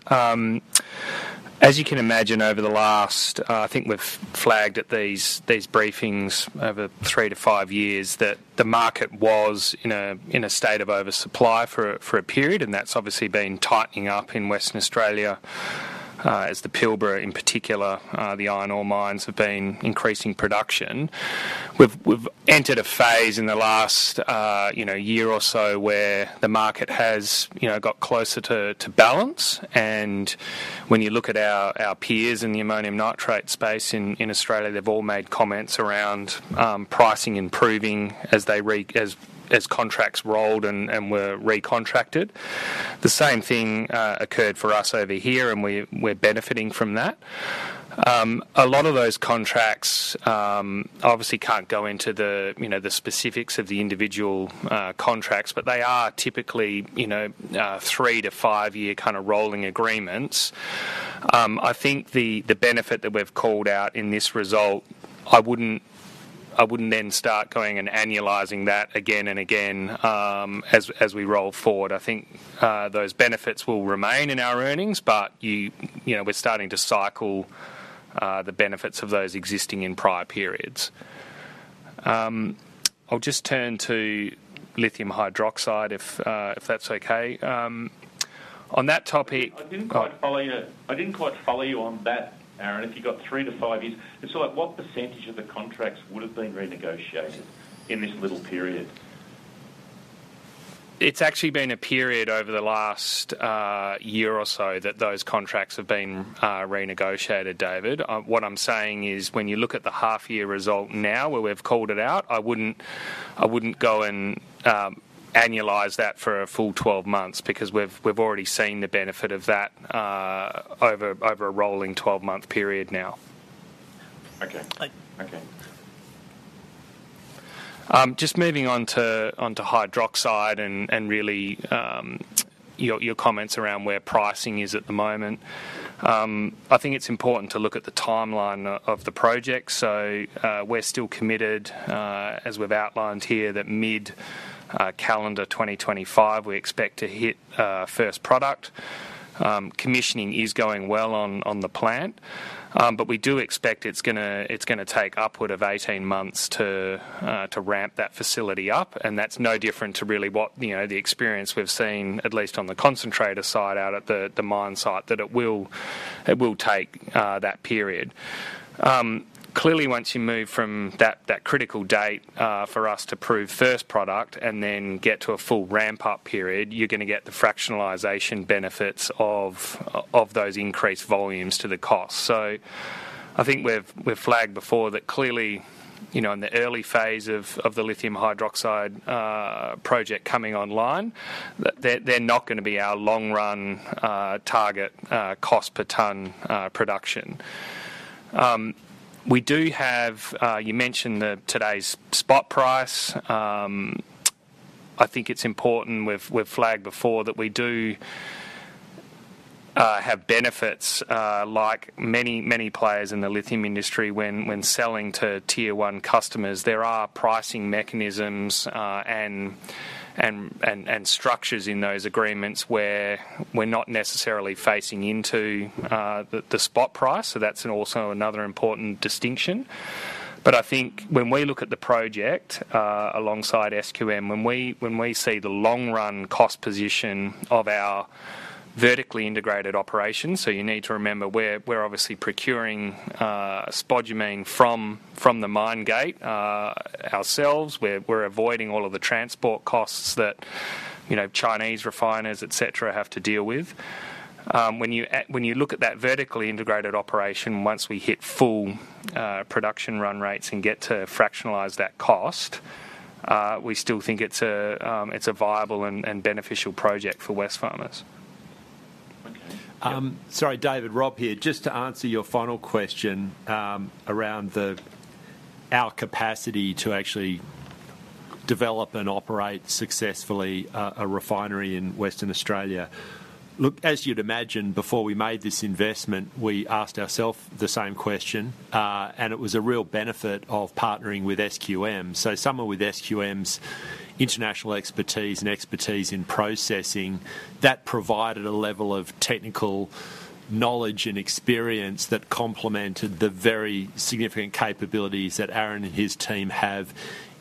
As you can imagine, over the last, I think we've flagged at these briefings over three to five years that the market was in a state of oversupply for a period. And that's obviously been tightening up in Western Australia as the Pilbara in particular, the iron ore mines have been increasing production. We've entered a phase in the last year or so where the market has got closer to balance. And when you look at our peers in the ammonium nitrate space in Australia, they've all made comments around pricing improving as contracts rolled and were recontracted. The same thing occurred for us over here, and we're benefiting from that. A lot of those contracts obviously can't go into the specifics of the individual contracts, but they are typically three- to five-year kind of rolling agreements. I think the benefit that we've called out in this result. I wouldn't then start going and annualizing that again and again as we roll forward. I think those benefits will remain in our earnings, but we're starting to cycle the benefits of those existing in prior periods. I'll just turn to Lithium hydroxide if that's okay. On that topic. I didn't quite follow you. I didn't quite follow you on that, Aaron. If you've got three to five years, it's sort of what percentage of the contracts would have been renegotiated in this little period? It's actually been a period over the last year or so that those contracts have been renegotiated, David. What I'm saying is when you look at the half-year result now where we've called it out, I wouldn't go and annualize that for a full 12 months because we've already seen the benefit of that over a rolling 12-month period now. Okay. Just moving on to hydroxide and really your comments around where pricing is at the moment. I think it's important to look at the timeline of the project. So we're still committed, as we've outlined here, that mid-calendar 2025, we expect to hit first product. Commissioning is going well on the plant, but we do expect it's going to take upward of 18 months to ramp that facility up, and that's no different to really what the experience we've seen, at least on the concentrator side out at the mine site, that it will take that period. Clearly, once you move from that critical date for us to prove first product and then get to a full ramp-up period, you're going to get the fractionalization benefits of those increased volumes to the cost. So I think we've flagged before that clearly in the early phase of the Lithium hydroxide project coming online, they're not going to be our long-run target cost per ton production. We do have. You mentioned today's spot price. I think it's important we've flagged before that we do have benefits like many, many players in the Lithium industry when selling to tier-one customers. There are pricing mechanisms and structures in those agreements where we're not necessarily facing into the spot price. So that's also another important distinction. But I think when we look at the project alongside SQM, when we see the long-run cost position of our vertically integrated operation, so you need to remember we're obviously procuring spodumene from the mine gate ourselves. We're avoiding all of the transport costs that Chinese refiners, etc., have to deal with. When you look at that vertically integrated operation, once we hit full production run rates and get to fractionalize that cost, we still think it's a viable and beneficial project for Wesfarmers. Sorry, David, Rob here. Just to answer your final question around our capacity to actually develop and operate successfully a refinery in Western Australia. Look, as you'd imagine, before we made this investment, we asked ourselves the same question, and it was a real benefit of partnering with SQM. Someone with SQM's international expertise and expertise in processing that provided a level of technical knowledge and experience that complemented the very significant capabilities that Aaron and his team have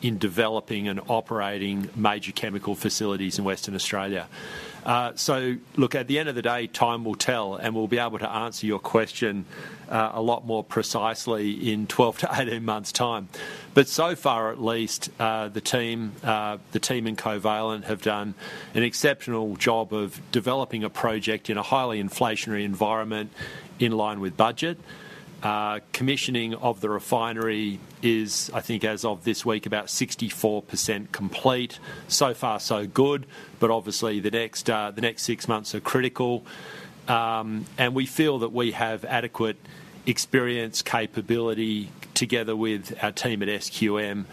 in developing and operating major chemical facilities in Western Australia. Look, at the end of the day, time will tell, and we'll be able to answer your question a lot more precisely in 12 to 18 months' time, but so far, at least, the team in Covalent have done an exceptional job of developing a project in a highly inflationary environment in line with budget. Commissioning of the refinery is, I think, as of this week, about 64% complete, so far, so good. But obviously, the next six months are critical, and we feel that we have adequate experience, capability together with our team at SQM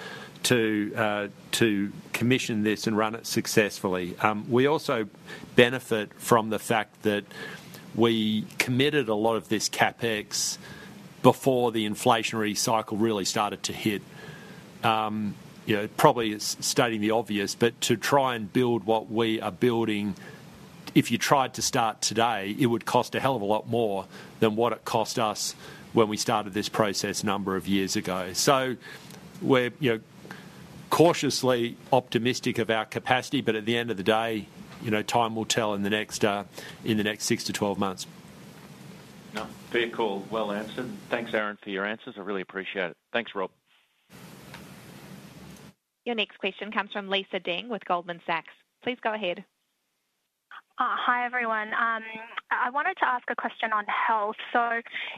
to commission this and run it successfully. We also benefit from the fact that we committed a lot of this CapEx before the inflationary cycle really started to hit. Probably stating the obvious, but to try and build what we are building, if you tried to start today, it would cost a hell of a lot more than what it cost us when we started this process a number of years ago. So we're cautiously optimistic of our capacity. But at the end of the day, time will tell in the next six to 12 months. Beautiful. Well answered. Thanks, Aaron, for your answers. I really appreciate it. Thanks, Rob. Your next question comes from Lisa Deng with Goldman Sachs. Please go ahead. Hi, everyone. I wanted to ask a question on Health.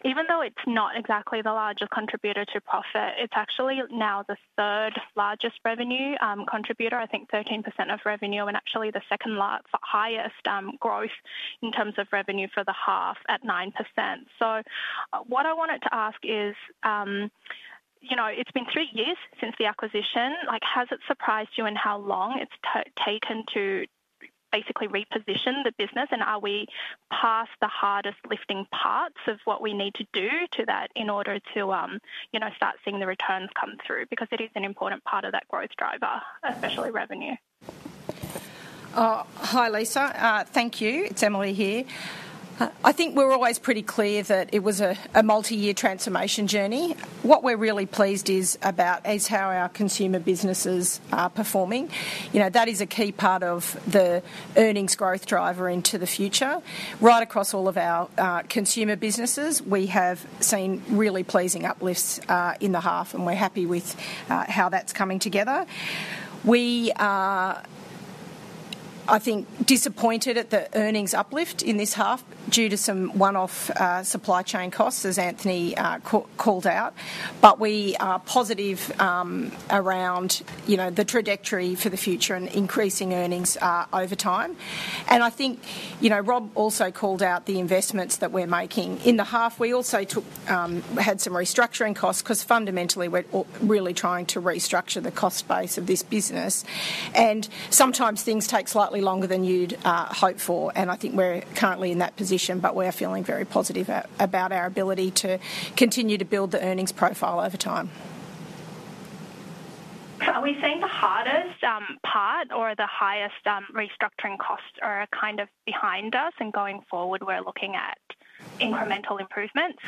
Even though it's not exactly the largest contributor to profit, it's actually now the third largest revenue contributor, I think 13% of revenue, and actually the second highest growth in terms of revenue for the half at 9%. What I wanted to ask is, it's been three years since the acquisition. Has it surprised you in how long it's taken to basically reposition the business? And are we past the hardest lifting parts of what we need to do to that in order to start seeing the returns come through? Because it is an important part of that growth driver, especially revenue. Hi, Lisa. Thank you. It's Emily here. I think we're always pretty clear that it was a multi-year transformation journey. What we're really pleased about is how our consumer businesses are performing. That is a key part of the earnings growth driver into the future. Right across all of our consumer businesses, we have seen really pleasing uplifts in the half, and we're happy with how that's coming together. We are, I think, disappointed at the earnings uplift in this half due to some one-off supply chain costs, as Anthony called out. But we are positive around the trajectory for the future and increasing earnings over time. And I think Rob also called out the investments that we're making. In the half, we also had some restructuring costs because fundamentally, we're really trying to restructure the cost base of this business. And sometimes things take slightly longer than you'd hope for. And I think we're currently in that position, but we're feeling very positive about our ability to continue to build the earnings profile over time. Are we seeing the hardest part or the highest restructuring costs are kind of behind us, and going forward, we're looking at incremental improvements?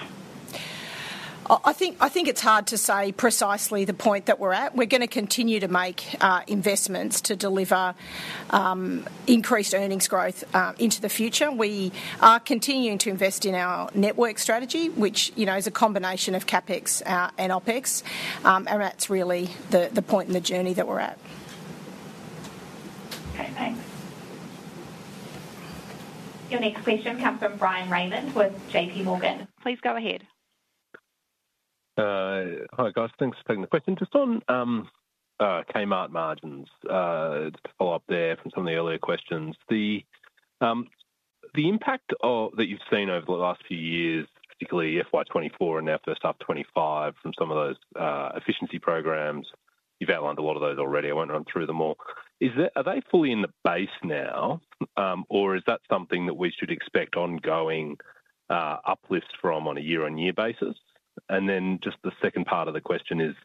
I think it's hard to say precisely the point that we're at. We're going to continue to make investments to deliver increased earnings growth into the future. We are continuing to invest in our network strategy, which is a combination of CapEx and OpEx. And that's really the point in the journey that we're at. Okay. Thanks. Your next question comes from Bryan Raymond with JPMorgan. Please go ahead. Hi, guys. Thanks for taking the question. Just on Kmart margins, to follow up there from some of the earlier questions. The impact that you've seen over the last few years, particularly FY 2024 and now FY 2025 from some of those efficiency programs—you've outlined a lot of those already. I won't run through them all. Are they fully in the base now, or is that something that we should expect ongoing uplifts from on a year-on-year basis? And then just the second part of the question is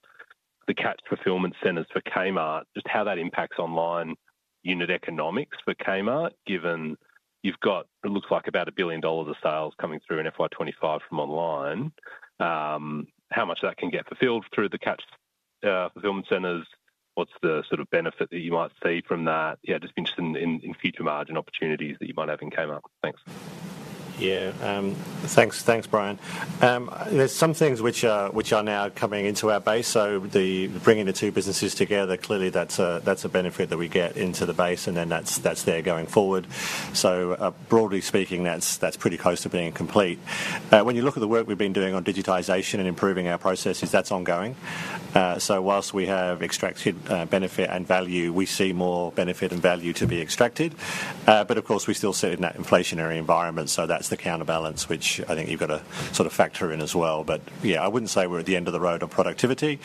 the new fulfillment centers for Kmart, just how that impacts online unit economics for Kmart, given you've got what looks like about 1 billion dollars of sales coming through in FY 2025 from online. How much of that can get fulfilled through the new fulfillment centers? What's the sort of benefit that you might see from that? Yeah, just interested in future margin opportunities that you might have in Kmart. Thanks. Yeah. Thanks, Bryan. There's some things which are now coming into our base. So bringing the two businesses together, clearly that's a benefit that we get into the base, and then that's there going forward. So broadly speaking, that's pretty close to being complete. When you look at the work we've been doing on digitization and improving our processes, that's ongoing. So whilst we have extracted benefit and value, we see more benefit and value to be extracted. But of course, we still sit in that inflationary environment. So that's the counterbalance, which I think you've got to sort of factor in as well. But yeah, I wouldn't say we're at the end of the road on productivity,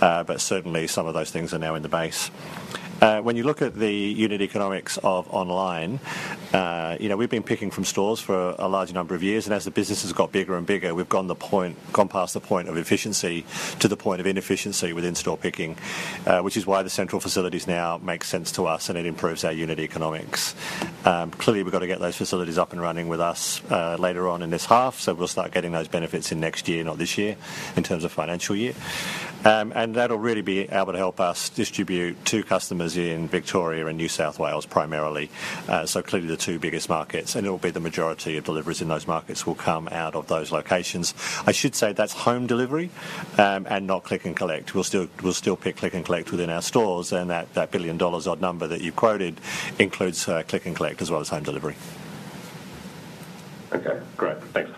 but certainly some of those things are now in the base. When you look at the unit economics of online, we've been picking from stores for a large number of years. And as the business has got bigger and bigger, we've gone past the point of efficiency to the point of inefficiency within store picking, which is why the central facilities now make sense to us, and it improves our unit economics. Clearly, we've got to get those facilities up and running with us later on in this half. We'll start getting those benefits in next year, not this year, in terms of financial year. That'll really be able to help us distribute to customers in Victoria and New South Wales primarily. Clearly, the two biggest markets. It'll be the majority of deliveries in those markets will come out of those locations. I should say that's home delivery and not click and collect. We'll still pick click and collect within our stores. That billion-dollars-odd number that you've quoted includes click and collect as well as home delivery. Okay. Great. Thanks.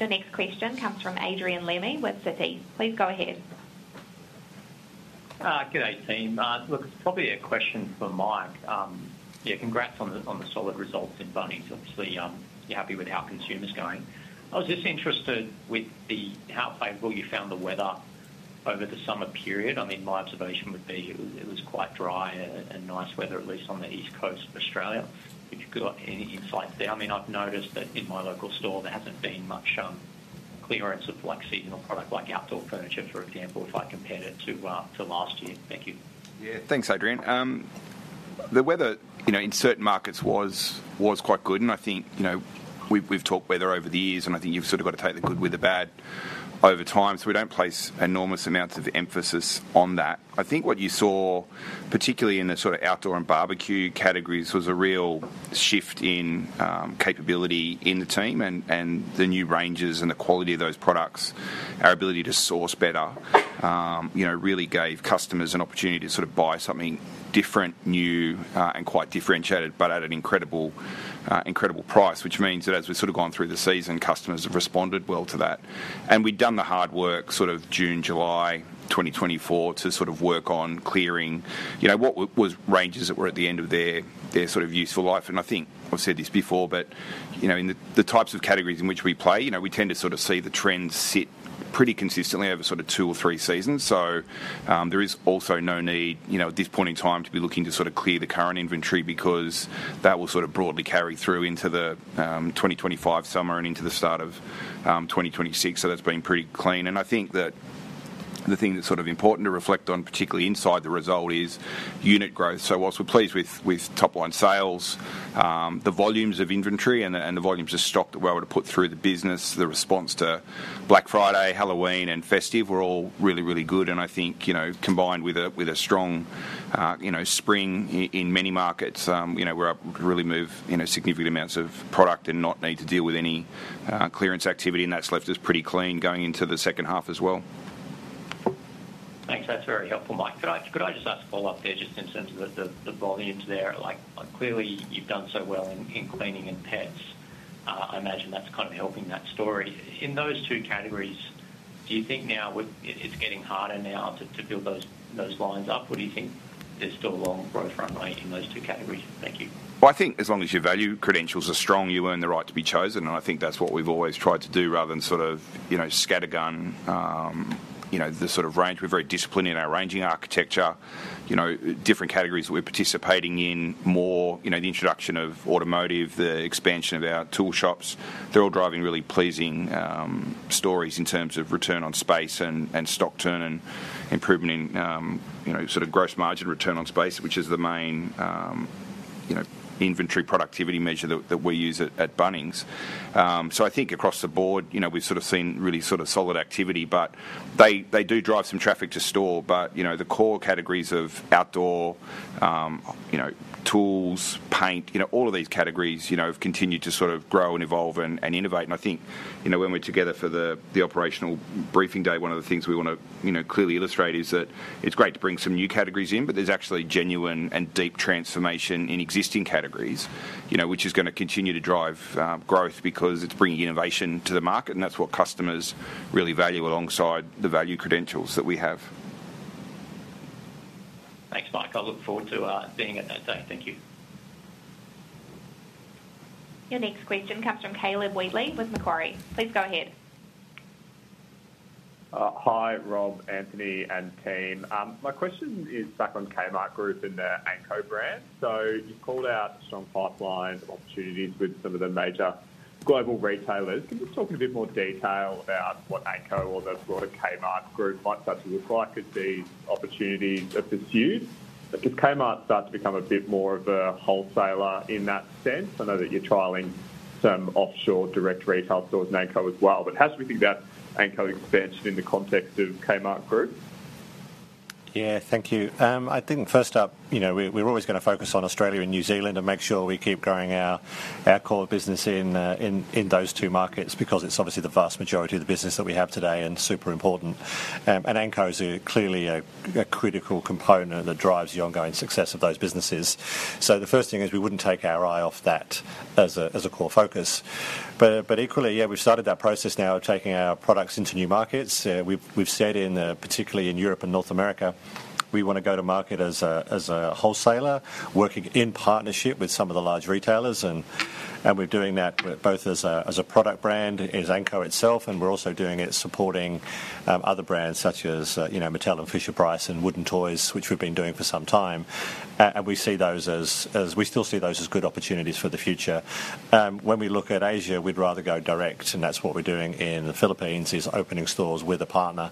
Your next question comes from Adrian Lemme with Citi. Please go ahead. Good day, team. Look, it's probably a question for Mike. Yeah, congrats on the solid results in Bunnings. Obviously, you're happy with how consumers are going. I was just interested with how favorable you found the weather over the summer period. I mean, my observation would be it was quite dry and nice weather, at least on the East Coast of Australia. If you've got any insights there. I mean, I've noticed that in my local store, there hasn't been much clearance of seasonal product, like outdoor furniture, for example, if I compared it to last year. Thank you. Yeah. Thanks, Adrian. The weather in certain markets was quite good, and I think we've talked weather over the years, and I think you've sort of got to take the good with the bad over time, so we don't place enormous amounts of emphasis on that. I think what you saw, particularly in the sort of outdoor and barbecue categories, was a real shift in capability in the team. And the new ranges and the quality of those products, our ability to source better, really gave customers an opportunity to sort of buy something different, new, and quite differentiated, but at an incredible price, which means that as we've sort of gone through the season, customers have responded well to that. And we'd done the hard work sort of June, July 2024 to sort of work on clearing what was ranges that were at the end of their sort of useful life. And I think I've said this before, but in the types of categories in which we play, we tend to sort of see the trends sit pretty consistently over sort of two or three seasons. There is also no need at this point in time to be looking to sort of clear the current inventory because that will sort of broadly carry through into the 2025 summer and into the start of 2026. That's been pretty clean. I think that the thing that's sort of important to reflect on, particularly inside the result, is unit growth. Whilst we're pleased with top-line sales, the volumes of inventory and the volumes of stock that we're able to put through the business, the response to Black Friday, Halloween, and festive were all really, really good. I think combined with a strong spring in many markets, we're able to really move significant amounts of product and not need to deal with any clearance activity. That's left us pretty clean going into the second half as well. Thanks. That's very helpful, Mike. Could I just ask a follow-up there just in terms of the volumes there? Clearly, you've done so well in cleaning and pets. I imagine that's kind of helping that story. In those two categories, do you think now it's getting harder now to build those lines up? Or do you think there's still a long growth runway in those two categories? Thank you. Well, I think as long as your value credentials are strong, you earn the right to be chosen. And I think that's what we've always tried to do rather than sort of scattergun the sort of range. We're very disciplined in our ranging architecture. Different categories that we're participating in, more the introduction of automotive, the expansion of our tool shops, they're all driving really pleasing stories in terms of return on space and stock turn and improvement in sort of gross margin return on space, which is the main inventory productivity measure that we use at Bunnings. So I think across the board, we've sort of seen really sort of solid activity. But they do drive some traffic to store. But the core categories of outdoor, tools, paint, all of these categories have continued to sort of grow and evolve and innovate. And I think when we're together for the operational briefing day, one of the things we want to clearly illustrate is that it's great to bring some new categories in, but there's actually genuine and deep transformation in existing categories, which is going to continue to drive growth because it's bringing innovation to the market. And that's what customers really value alongside the value credentials that we have. Thanks, Mike. I'll look forward to being at that day. Thank you. Your next question comes from Caleb Wheatley with Macquarie. Please go ahead. Hi, Rob, Anthony, and team. My question is back on Kmart Group and the Anko brand. So you've called out strong pipelines of opportunities with some of the major global retailers. Can you talk in a bit more detail about what Anko or the broader Kmart Group might start to look like as these opportunities are pursued? Does Kmart start to become a bit more of a wholesaler in that sense? I know that you're trialing some offshore direct retail stores in Anko as well. But how should we think about Anko expansion in the context of Kmart Group? Yeah. Thank you. I think first up, we're always going to focus on Australia and New Zealand and make sure we keep growing our core business in those two markets because it's obviously the vast majority of the business that we have today and super important. And Anko is clearly a critical component that drives the ongoing success of those businesses. So the first thing is we wouldn't take our eye off that as a core focus. But equally, yeah, we've started that process now of taking our products into new markets. We've said in particular, in Europe and North America, we want to go to market as a wholesaler working in partnership with some of the large retailers. And we're doing that both as a product brand, as Anko itself, and we're also doing it supporting other brands such as Mattel and Fisher-Price and wooden toys, which we've been doing for some time. And we see those as we still see those as good opportunities for the future. When we look at Asia, we'd rather go direct. And that's what we're doing in the Philippines, is opening stores with a partner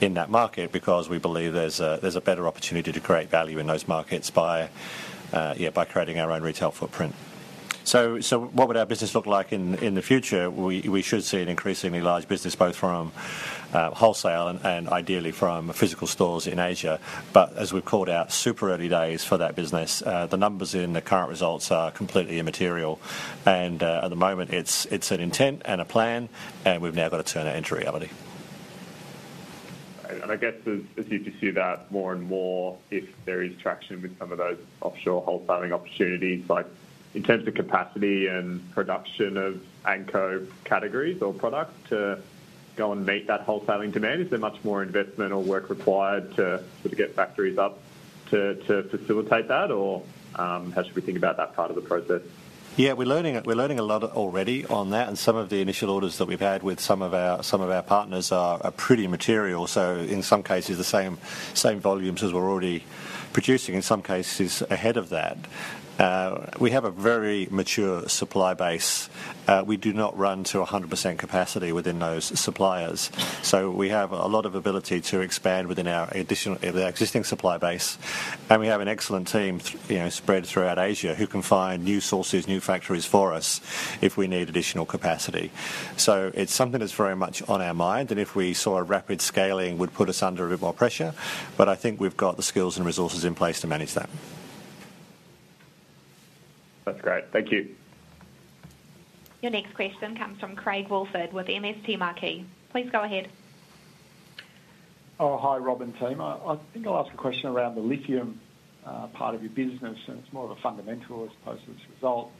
in that market because we believe there's a better opportunity to create value in those markets by creating our own retail footprint. So what would our business look like in the future? We should see an increasingly large business both from wholesale and ideally from physical stores in Asia. As we've called out, super early days for that business. The numbers in the current results are completely immaterial. And at the moment, it's an intent and a plan, and we've now got to turn that into reality. And I guess as you see that more and more, if there is traction with some of those offshore wholesaling opportunities, in terms of capacity and production of Anko categories or products to go and meet that wholesaling demand, is there much more investment or work required to sort of get factories up to facilitate that? Or how should we think about that part of the process? Yeah. We're learning a lot already on that. And some of the initial orders that we've had with some of our partners are pretty material. So in some cases, the same volumes as we're already producing, in some cases ahead of that. We have a very mature supply base. We do not run to 100% capacity within those suppliers. So we have a lot of ability to expand within our existing supply base. And we have an excellent team spread throughout Asia who can find new sources, new factories for us if we need additional capacity. So it's something that's very much on our mind. And if we saw a rapid scaling, it would put us under a bit more pressure. But I think we've got the skills and resources in place to manage that. That's great. Thank you. Your next question comes from Craig Woolford with MST Marquee. Please go ahead. Hi, Rob and team. I think I'll ask a question around the Lithium part of your business. And it's more of a fundamental as opposed to this result.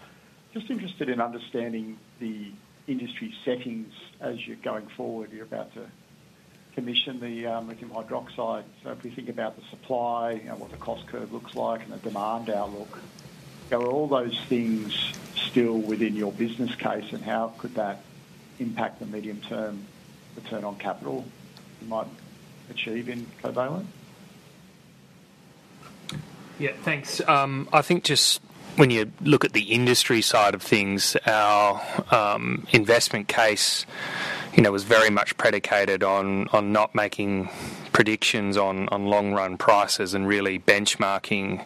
Just interested in understanding the industry settings as you're going forward. You're about to commission the Lithium hydroxide. So if we think about the supply and what the cost curve looks like and the demand outlook, are all those things still within your business case? And how could that impact the medium-term return on capital you might achieve in Covalent? Yeah. Thanks. I think just when you look at the industry side of things, our investment case was very much predicated on not making predictions on long-run prices and really benchmarking,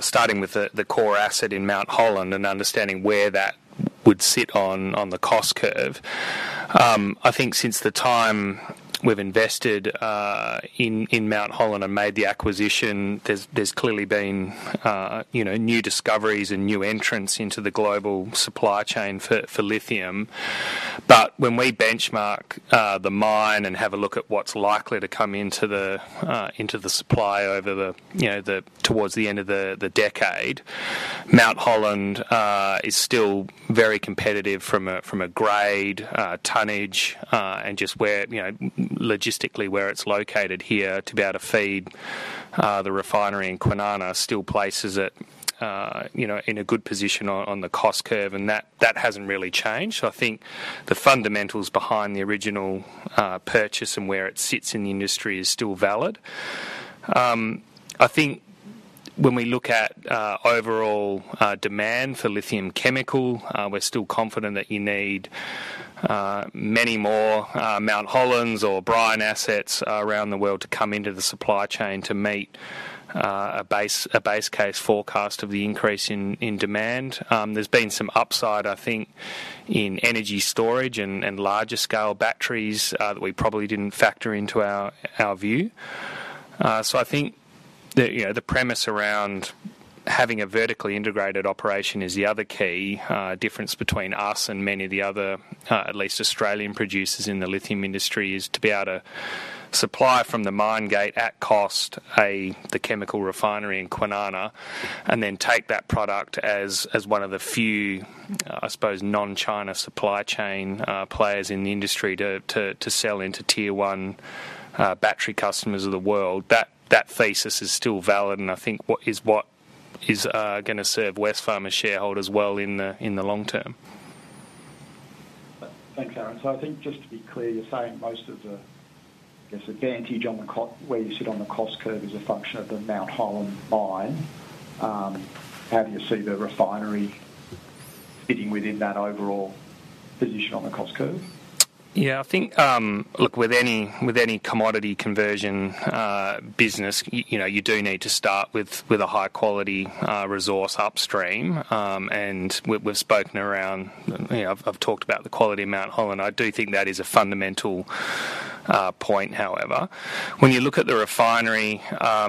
starting with the core asset in Mount Holland and understanding where that would sit on the cost curve. I think since the time we've invested in Mount Holland and made the acquisition, there's clearly been new discoveries and new entrants into the global supply chain for Lithium. But when we benchmark the mine and have a look at what's likely to come into the supply over towards the end of the decade, Mount Holland is still very competitive from a grade, tonnage, and just logistically where it's located here to be able to feed the refinery in Kwinana still places it in a good position on the cost curve. And that hasn't really changed. So I think the fundamentals behind the original purchase and where it sits in the industry is still valid. I think when we look at overall demand for Lithium chemical, we're still confident that you need many more Mount Holland's or brine assets around the world to come into the supply chain to meet a base case forecast of the increase in demand. There's been some upside, I think, in energy storage and larger-scale batteries that we probably didn't factor into our view. So I think the premise around having a vertically integrated operation is the other key. The difference between us and many of the other, at least Australian producers in the Lithium industry, is to be able to supply from the mine gate at cost the chemical refinery in Kwinana and then take that product as one of the few, I suppose, non-China supply chain players in the industry to sell into tier-one battery customers of the world. That thesis is still valid. And I think is what is going to serve Wesfarmers shareholders well in the long term. Thanks, Aaron. So I think just to be clear, you're saying most of the, I guess, advantage on the where you sit on the cost curve is a function of the Mount Holland mine. How do you see the refinery fitting within that overall position on the cost curve? Yeah. I think, look, with any commodity conversion business, you do need to start with a high-quality resource upstream. And I've talked about the quality of Mount Holland. I do think that is a fundamental point, however. When you look at the refinery, I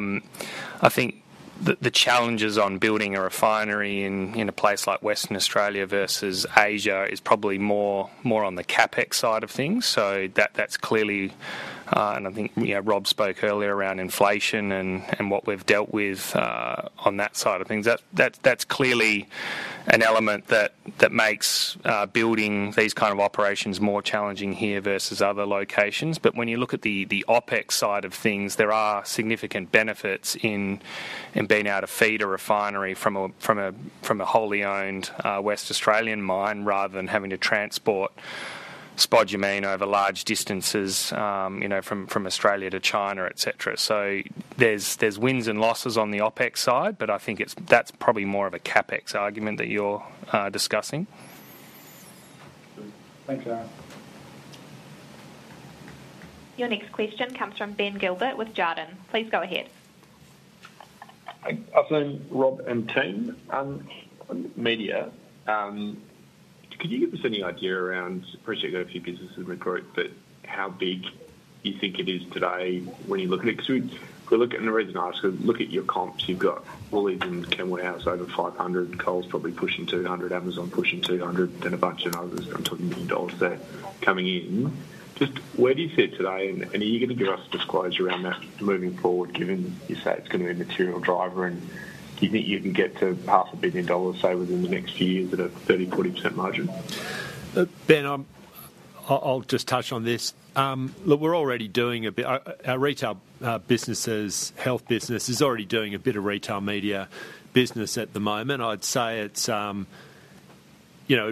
think the challenges on building a refinery in a place like Western Australia versus Asia is probably more on the CapEx side of things. So that's clearly, and I think Rob spoke earlier around inflation and what we've dealt with on that side of things. That's clearly an element that makes building these kind of operations more challenging here versus other locations. But when you look at the OpEx side of things, there are significant benefits in being able to feed a refinery from a wholly owned West Australian mine rather than having to transport spodumene over large distances from Australia to China, etc. So there's wins and losses on the OpEx side, but I think that's probably more of a CapEx argument that you're discussing. Thanks, Aaron. Your next question comes from Ben Gilbert with Jarden. Please go ahead. Hi, Rob and team. Media. Could you give us any idea around, I appreciate you go to a few businesses in the group, but how big you think it is today when you look at it? Because we're looking at the reason I asked, look at your comps. You've got all these in Walmart, over 500, Coles probably pushing 200, Amazon pushing 200, then a bunch of others that are talking million dollars there coming in. Just where do you sit today? And are you going to give us disclosure around that moving forward, given you say it's going to be a material driver? Do you think you can get to 500 million dollars, say, within the next few years at a 30%-40% margin? Ben, I'll just touch on this. Look, we're already doing a bit in our retail businesses. Health business is already doing a bit of retail media business at the moment. I'd say it'd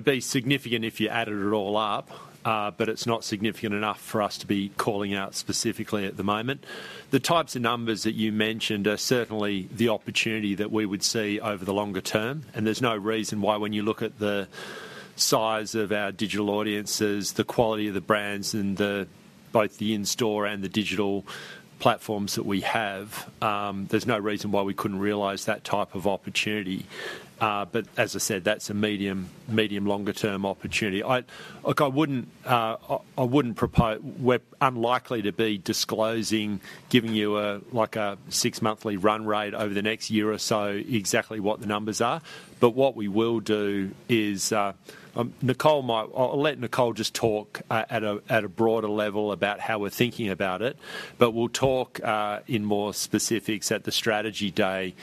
be significant if you added it all up, but it's not significant enough for us to be calling out specifically at the moment. The types of numbers that you mentioned are certainly the opportunity that we would see over the longer term. There's no reason why when you look at the size of our digital audiences, the quality of the brands, and both the in-store and the digital platforms that we have, there's no reason why we couldn't realize that type of opportunity. But as I said, that's a medium-longer-term opportunity. Look, we're unlikely to be disclosing, giving you a six-monthly run rate over the next year or so exactly what the numbers are. But what we will do is I'll let Nicole just talk at a broader level about how we're thinking about it. But we'll talk in more specifics at the strategy day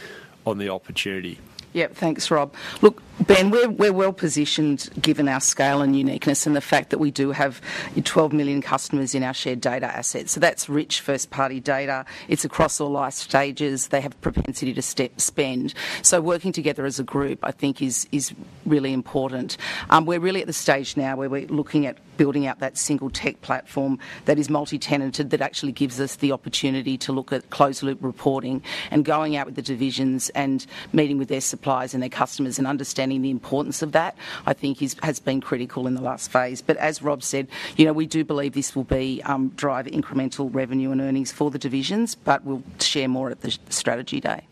on the opportunity. Yep. Thanks, Rob. Look, Ben, we're well-positioned given our scale and uniqueness and the fact that we do have 12 million customers in our shared data assets. So that's rich first-party data. It's across all life stages. They have a propensity to spend. So working together as a group, I think, is really important. We're really at the stage now where we're looking at building out that single tech platform that is multi-tenanted that actually gives us the opportunity to look at closed-loop reporting and going out with the divisions and meeting with their suppliers and their customers and understanding the importance of that, I think, has been critical in the last phase. But as Rob said, we do believe this will drive incremental revenue and earnings for the divisions, but we'll share more at the strategy day.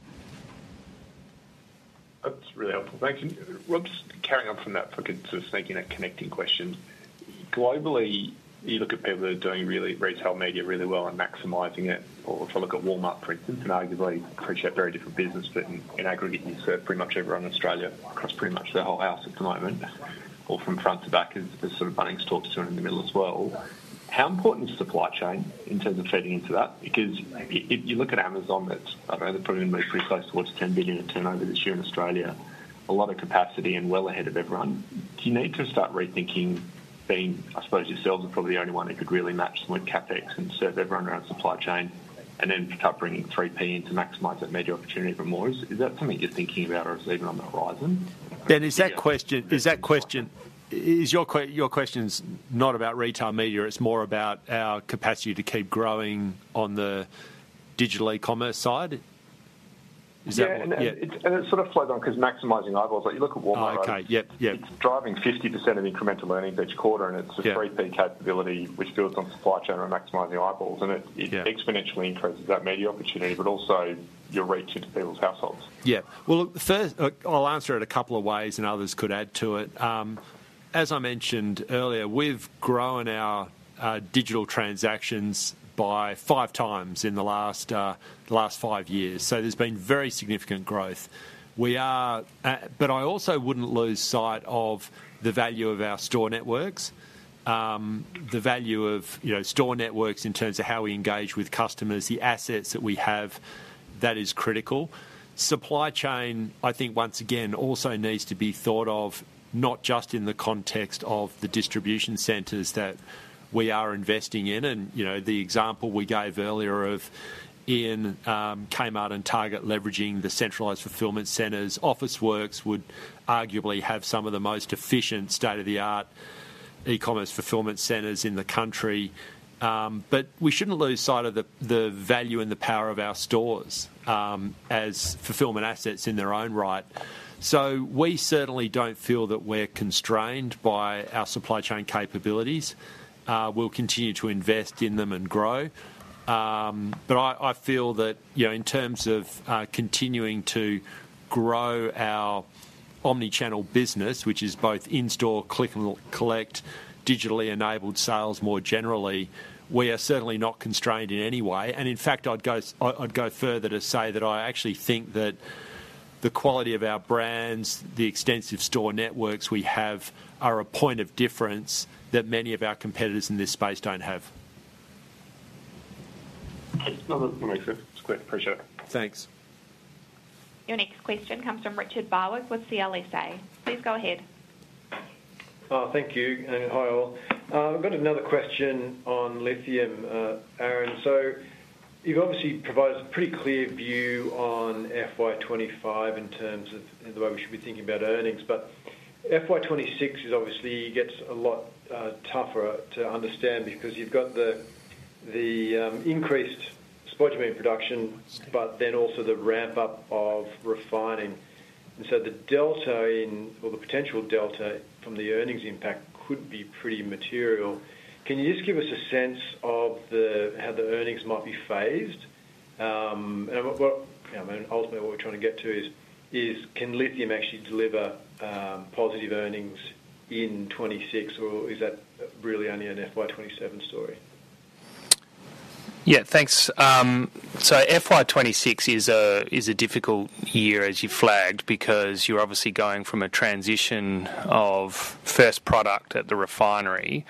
That's really helpful. Thank you. Rob, just carrying on from that for good, sort of sneaking a connecting question. Globally, you look at people who are doing retail media really well and maximizing it. Or if I look at Walmart, for instance, and arguably, a very different business, but in aggregate, you serve pretty much everyone in Australia across pretty much the whole house at the moment, all from front to back as sort of Bunnings talks to them in the middle as well. How important is supply chain in terms of fitting into that? Because if you look at Amazon, I don't know, they're probably going to move pretty close towards 10 billion in turnover this year in Australia, a lot of capacity and well ahead of everyone. Do you need to start rethinking being, I suppose, yourselves are probably the only one who could really match some of CapEx and serve everyone around supply chain and then start bringing 3P into maximizing media opportunity for more? Is that something you're thinking about or is it even on the horizon? Ben, is your question not about retail media? It's more about our capacity to keep growing on the digital e-commerce side? Is that what? Yeah. And it sort of flows on because maximizing eyeballs. You look at Walmart. It's driving 50% of incremental earnings each quarter, and it's a 3P capability which builds on supply chain or maximizing eyeballs. And it exponentially increases that media opportunity, but also your reach into people's households. Yeah. Well, look, I'll answer it a couple of ways, and others could add to it. As I mentioned earlier, we've grown our digital transactions by five times in the last five years. So there's been very significant growth. But I also wouldn't lose sight of the value of our store networks, the value of store networks in terms of how we engage with customers, the assets that we have that is critical. Supply chain, I think, once again, also needs to be thought of not just in the context of the distribution centers that we are investing in. And the example we gave earlier of Ian, Kmart and Target leveraging the centralized fulfillment centers. Officeworks would arguably have some of the most efficient state-of-the-art e-commerce fulfillment centers in the country. But we shouldn't lose sight of the value and the power of our stores as fulfillment assets in their own right. So we certainly don't feel that we're constrained by our supply chain capabilities. We'll continue to invest in them and grow. But I feel that in terms of continuing to grow our omnichannel business, which is both in-store, click and collect, digitally enabled sales more generally, we are certainly not constrained in any way. And in fact, I'd go further to say that I actually think that the quality of our brands, the extensive store networks we have, are a point of difference that many of our competitors in this space don't have. No, that makes sense. It's great. Appreciate it. Thanks. Your next question comes from Richard Barwick with CLSA. Please go ahead. Thank you. Hi, all. I've got another question on Lithium, Aaron. So you've obviously provided a pretty clear view on FY 2025 in terms of the way we should be thinking about earnings. But FY 2026 is obviously gets a lot tougher to understand because you've got the increased spodumene production, but then also the ramp-up of refining. And so the delta in, or the potential delta from the earnings impact could be pretty material. Can you just give us a sense of how the earnings might be phased? Ultimately, what we're trying to get to is, can Lithium actually deliver positive earnings in 2026, or is that really only an FY 2027 story? Yeah. Thanks. FY 2026 is a difficult year, as you flagged, because you're obviously going from a transition of first product at the refinery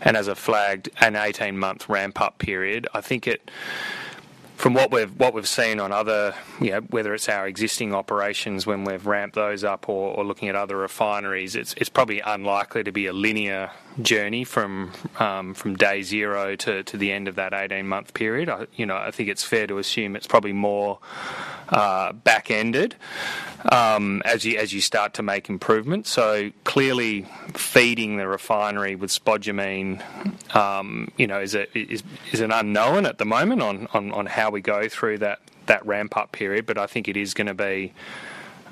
and as I flagged, an 18-month ramp-up period. I think from what we've seen on other, whether it's our existing operations when we've ramped those up or looking at other refineries, it's probably unlikely to be a linear journey from day zero to the end of that 18-month period. I think it's fair to assume it's probably more back-ended as you start to make improvements. Clearly, feeding the refinery with spodumene is an unknown at the moment on how we go through that ramp-up period. But I think it is going to be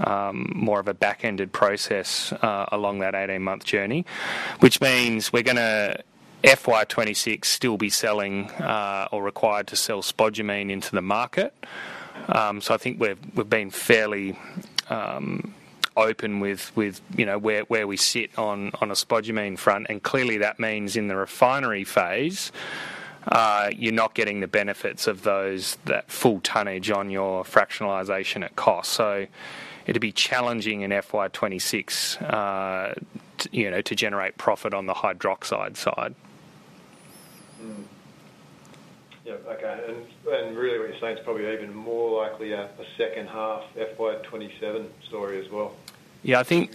more of a back-ended process along that 18-month journey, which means we're going to FY 2026 still be selling or required to sell spodumene into the market. So I think we've been fairly open with where we sit on a spodumene front. And clearly, that means in the refinery phase, you're not getting the benefits of that full tonnage on your fractionalization at cost. So it'd be challenging in FY 2026 to generate profit on the hydroxide side. Yeah. Okay. And really, what you're saying is probably even more likely a second-half FY 2027 story as well. Yeah. I think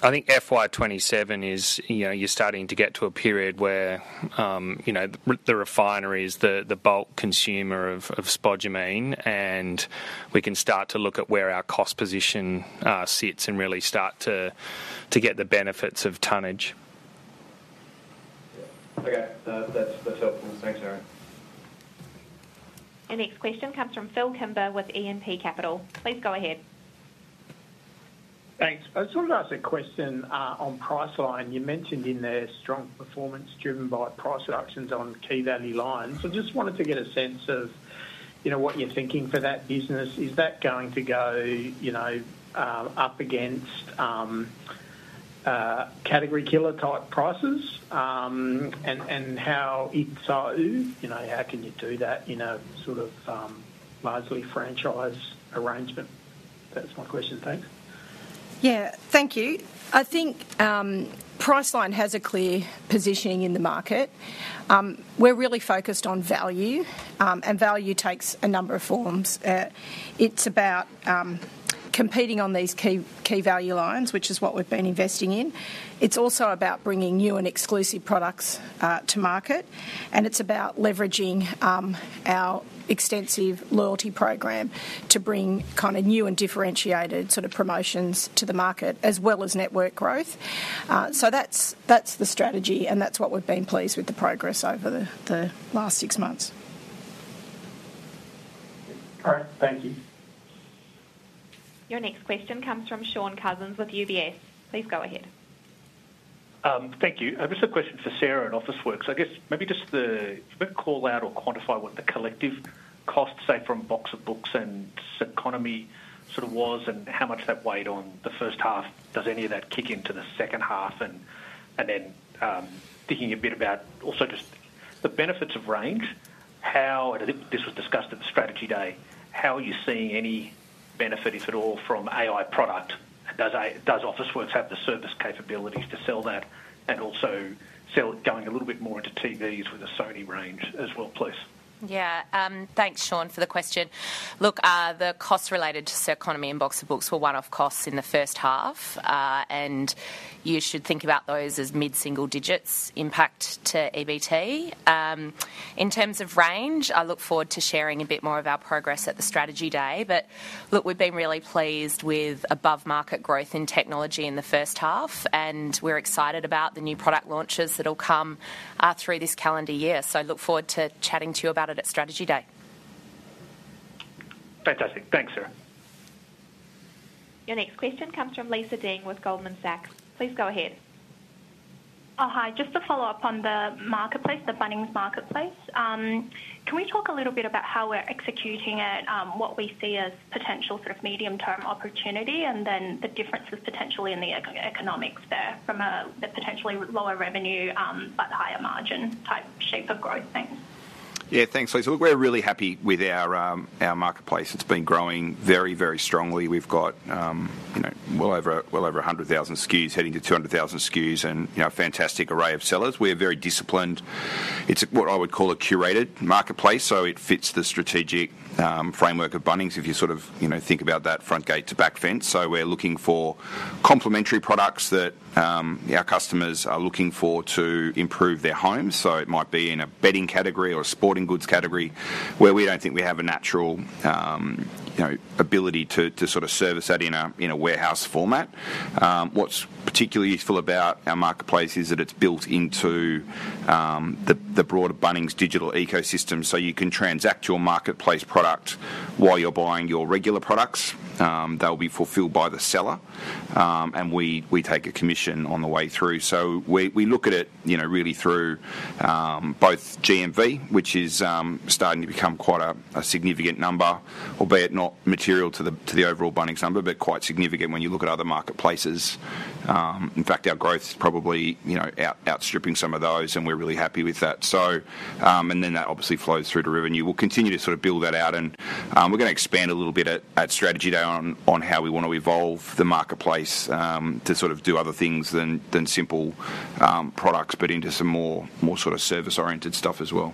FY 2027 is you're starting to get to a period where the refinery is the bulk consumer of spodumene, and we can start to look at where our cost position sits and really start to get the benefits of tonnage. Okay. That's helpful. Thanks, Aaron. Your next question comes from Phil Kimber with E&P Capital. Please go ahead. Thanks. I just wanted to ask a question on Priceline. You mentioned in there strong performance driven by price reductions on key value lines. I just wanted to get a sense of what you're thinking for that business. Is that going to go up against category killer-type prices? And if so, how can you do that in a sort of largely franchise arrangement? That's my question. Thanks. Yeah. Thank you. I think Priceline has a clear positioning in the market. We're really focused on value, and value takes a number of forms. It's about competing on these key value lines, which is what we've been investing in. It's also about bringing new and exclusive products to market. And it's about leveraging our extensive loyalty program to bring kind of new and differentiated sort of promotions to the market as well as network growth. So that's the strategy, and that's what we've been pleased with the progress over the last six months. All right. Thank you. Your next question comes from Shaun Cousins with UBS. Please go ahead. Thank you. I've just got a question for Sarah at Officeworks. I guess maybe just the call out or quantify what the collective cost, say, from Box of Books and Circonomy sort of was and how much that weighed on the first half. Does any of that kick into the second half? And then thinking a bit about also just the benefits of range, how this was discussed at the strategy day. How are you seeing any benefit, if at all, from AI product? Does Officeworks have the service capabilities to sell that and also going a little bit more into TVs with a Sony range as well, please? Yeah. Thanks, Sean, for the question. Look, the costs related to Circonomy and Box of Books were one-off costs in the first half, and you should think about those as mid-single digits impact to EBT. In terms of range, I look forward to sharing a bit more of our progress at the strategy day. But look, we've been really pleased with above-market growth in technology in the first half, and we're excited about the new product launches that will come through this calendar year. Look forward to chatting to you about it at strategy day. Fantastic. Thanks, Sarah. Your next question comes from Lisa Deng with Goldman Sachs. Please go ahead. Hi. Just to follow up on the marketplace, the Bunnings Marketplace, can we talk a little bit about how we're executing it, what we see as potential sort of medium-term opportunity, and then the differences potentially in the economics there from the potentially lower revenue but higher margin type shape of growth thing? Yeah. Thanks, Lisa. Look, we're really happy with our marketplace. It's been growing very, very strongly. We've got well over 100,000 SKUs heading to 200,000 SKUs and a fantastic array of sellers. We're very disciplined. It's what I would call a curated marketplace, so it fits the strategic framework of Bunnings if you sort of think about that front gate to back fence. So we're looking for complementary products that our customers are looking for to improve their homes. So it might be in a bedding category or a sporting goods category where we don't think we have a natural ability to sort of service that in a warehouse format. What's particularly useful about our marketplace is that it's built into the broader Bunnings digital ecosystem. So you can transact your marketplace product while you're buying your regular products. They'll be fulfilled by the seller, and we take a commission on the way through. So we look at it really through both GMV, which is starting to become quite a significant number, albeit not material to the overall Bunnings number, but quite significant when you look at other marketplaces. In fact, our growth is probably outstripping some of those, and we're really happy with that. And then that obviously flows through to revenue. We'll continue to sort of build that out, and we're going to expand a little bit at strategy day on how we want to evolve the marketplace to sort of do other things than simple products, but into some more sort of service-oriented stuff as well.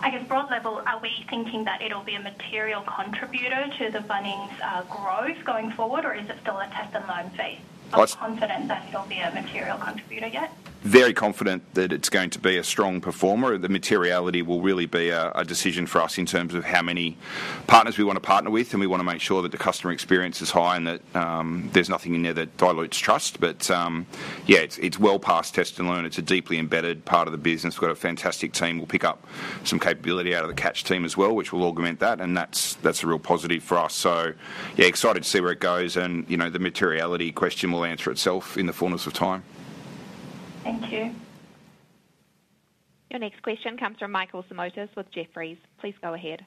I guess broad level, are we thinking that it'll be a material contributor to the Bunnings growth going forward, or is it still a test and learn phase? Are you confident that it'll be a material contributor yet? Very confident that it's going to be a strong performer. The materiality will really be a decision for us in terms of how many partners we want to partner with, and we want to make sure that the customer experience is high and that there's nothing in there that dilutes trust. But yeah, it's well past test and learn. It's a deeply embedded part of the business. We've got a fantastic team. We'll pick up some capability out of the Catch team as well, which will augment that, and that's a real positive for us. So yeah, excited to see where it goes, and the materiality question will answer itself in the fullness of time. Thank you. Your next question comes from Michael Simotas with Jefferies. Please go ahead.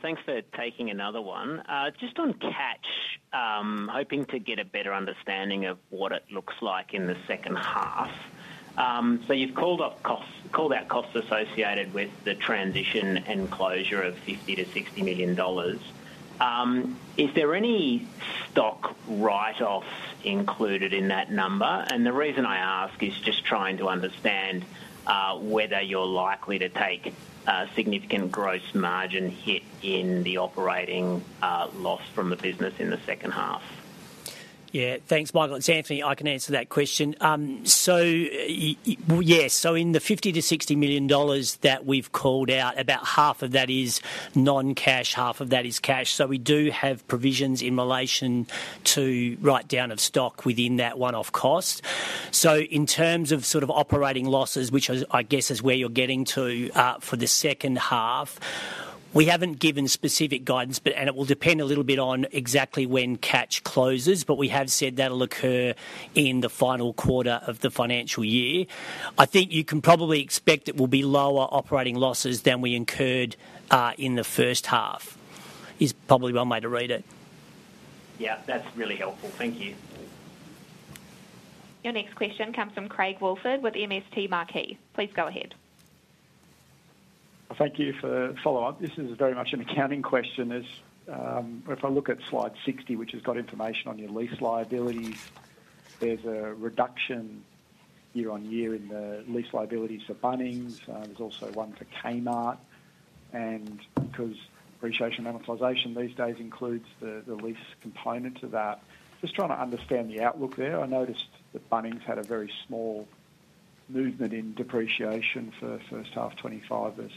Thanks for taking another one. Just on Catch, hoping to get a better understanding of what it looks like in the second half. So you've called out costs associated with the transition and closure of $50 to $60 million. Is there any stock write-offs included in that number? And the reason I ask is just trying to understand whether you're likely to take a significant gross margin hit in the operating loss from the business in the second half. Yeah. Thanks, Michael. It's Anthony. I can answer that question. So yes. So in the $50 to $60 million that we've called out, about half of that is non-cash, half of that is cash. So we do have provisions in relation to write-down of stock within that one-off cost. So in terms of sort of operating losses, which I guess is where you're getting to for the second half, we haven't given specific guidance, and it will depend a little bit on exactly when Catch closes, but we have said that'll occur in the final quarter of the financial year. I think you can probably expect it will be lower operating losses than we incurred in the first half. Is probably one way to read it. Yeah. That's really helpful. Thank you. Your next question comes from Craig Woolford with MST Marquee. Please go ahead. Thank you for the follow-up. This is very much an accounting question. If I look at slide 60, which has got information on your lease liabilities, there's a reduction year on year in the lease liabilities for Bunnings. There's also one for Kmart. And because depreciation amortization these days includes the lease component to that, just trying to understand the outlook there. I noticed that Bunnings had a very small movement in depreciation for first half 2025 versus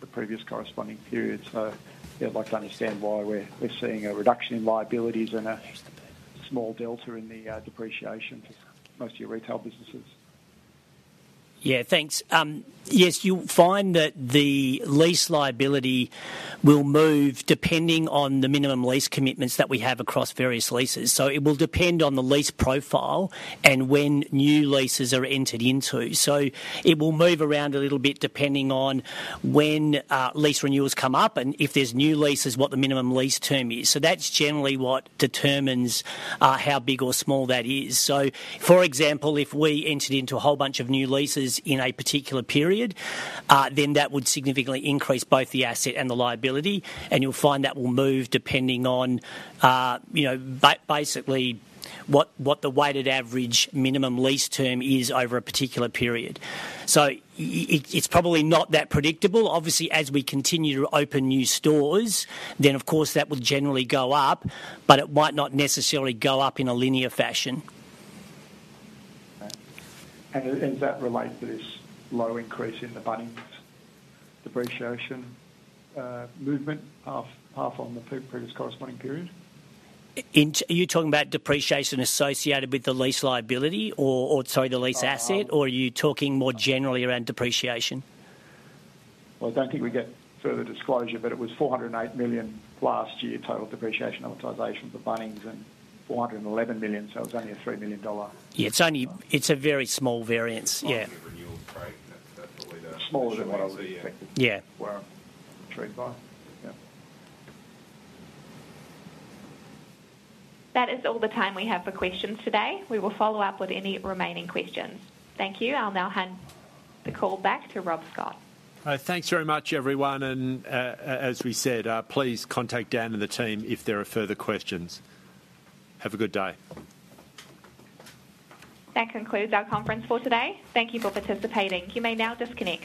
the previous corresponding period. So yeah, I'd like to understand why we're seeing a reduction in liabilities and a small delta in the depreciation for most of your retail businesses. Yeah. Thanks. Yes. You'll find that the lease liability will move depending on the minimum lease commitments that we have across various leases. So it will depend on the lease profile and when new leases are entered into. It will move around a little bit depending on when lease renewals come up and if there's new leases, what the minimum lease term is. That's generally what determines how big or small that is. For example, if we entered into a whole bunch of new leases in a particular period, then that would significantly increase both the asset and the liability. You'll find that will move depending on basically what the weighted average minimum lease term is over a particular period. It's probably not that predictable. Obviously, as we continue to open new stores, then of course that will generally go up, but it might not necessarily go up in a linear fashion. Is that related to this low increase in the Bunnings depreciation movement half on the previous corresponding period? Are you talking about depreciation associated with the lease liability or, sorry, the lease asset, or are you talking more generally around depreciation? Well, I don't think we get further disclosure, but it was 408 million last year, total depreciation amortization for Bunnings and 411 million. So it was only a 3 million dollar. Yeah. It's a very small variance. Yeah. Smaller than what I was expecting. Yeah. That is all the time we have for questions today. We will follow up with any remaining questions. Thank you. I'll now hand the call back to Rob Scott. Thanks very much, everyone. And as we said, please contact Dan and the team if there are further questions. Have a good day. That concludes our conference for today. Thank you for participating. You may now disconnect.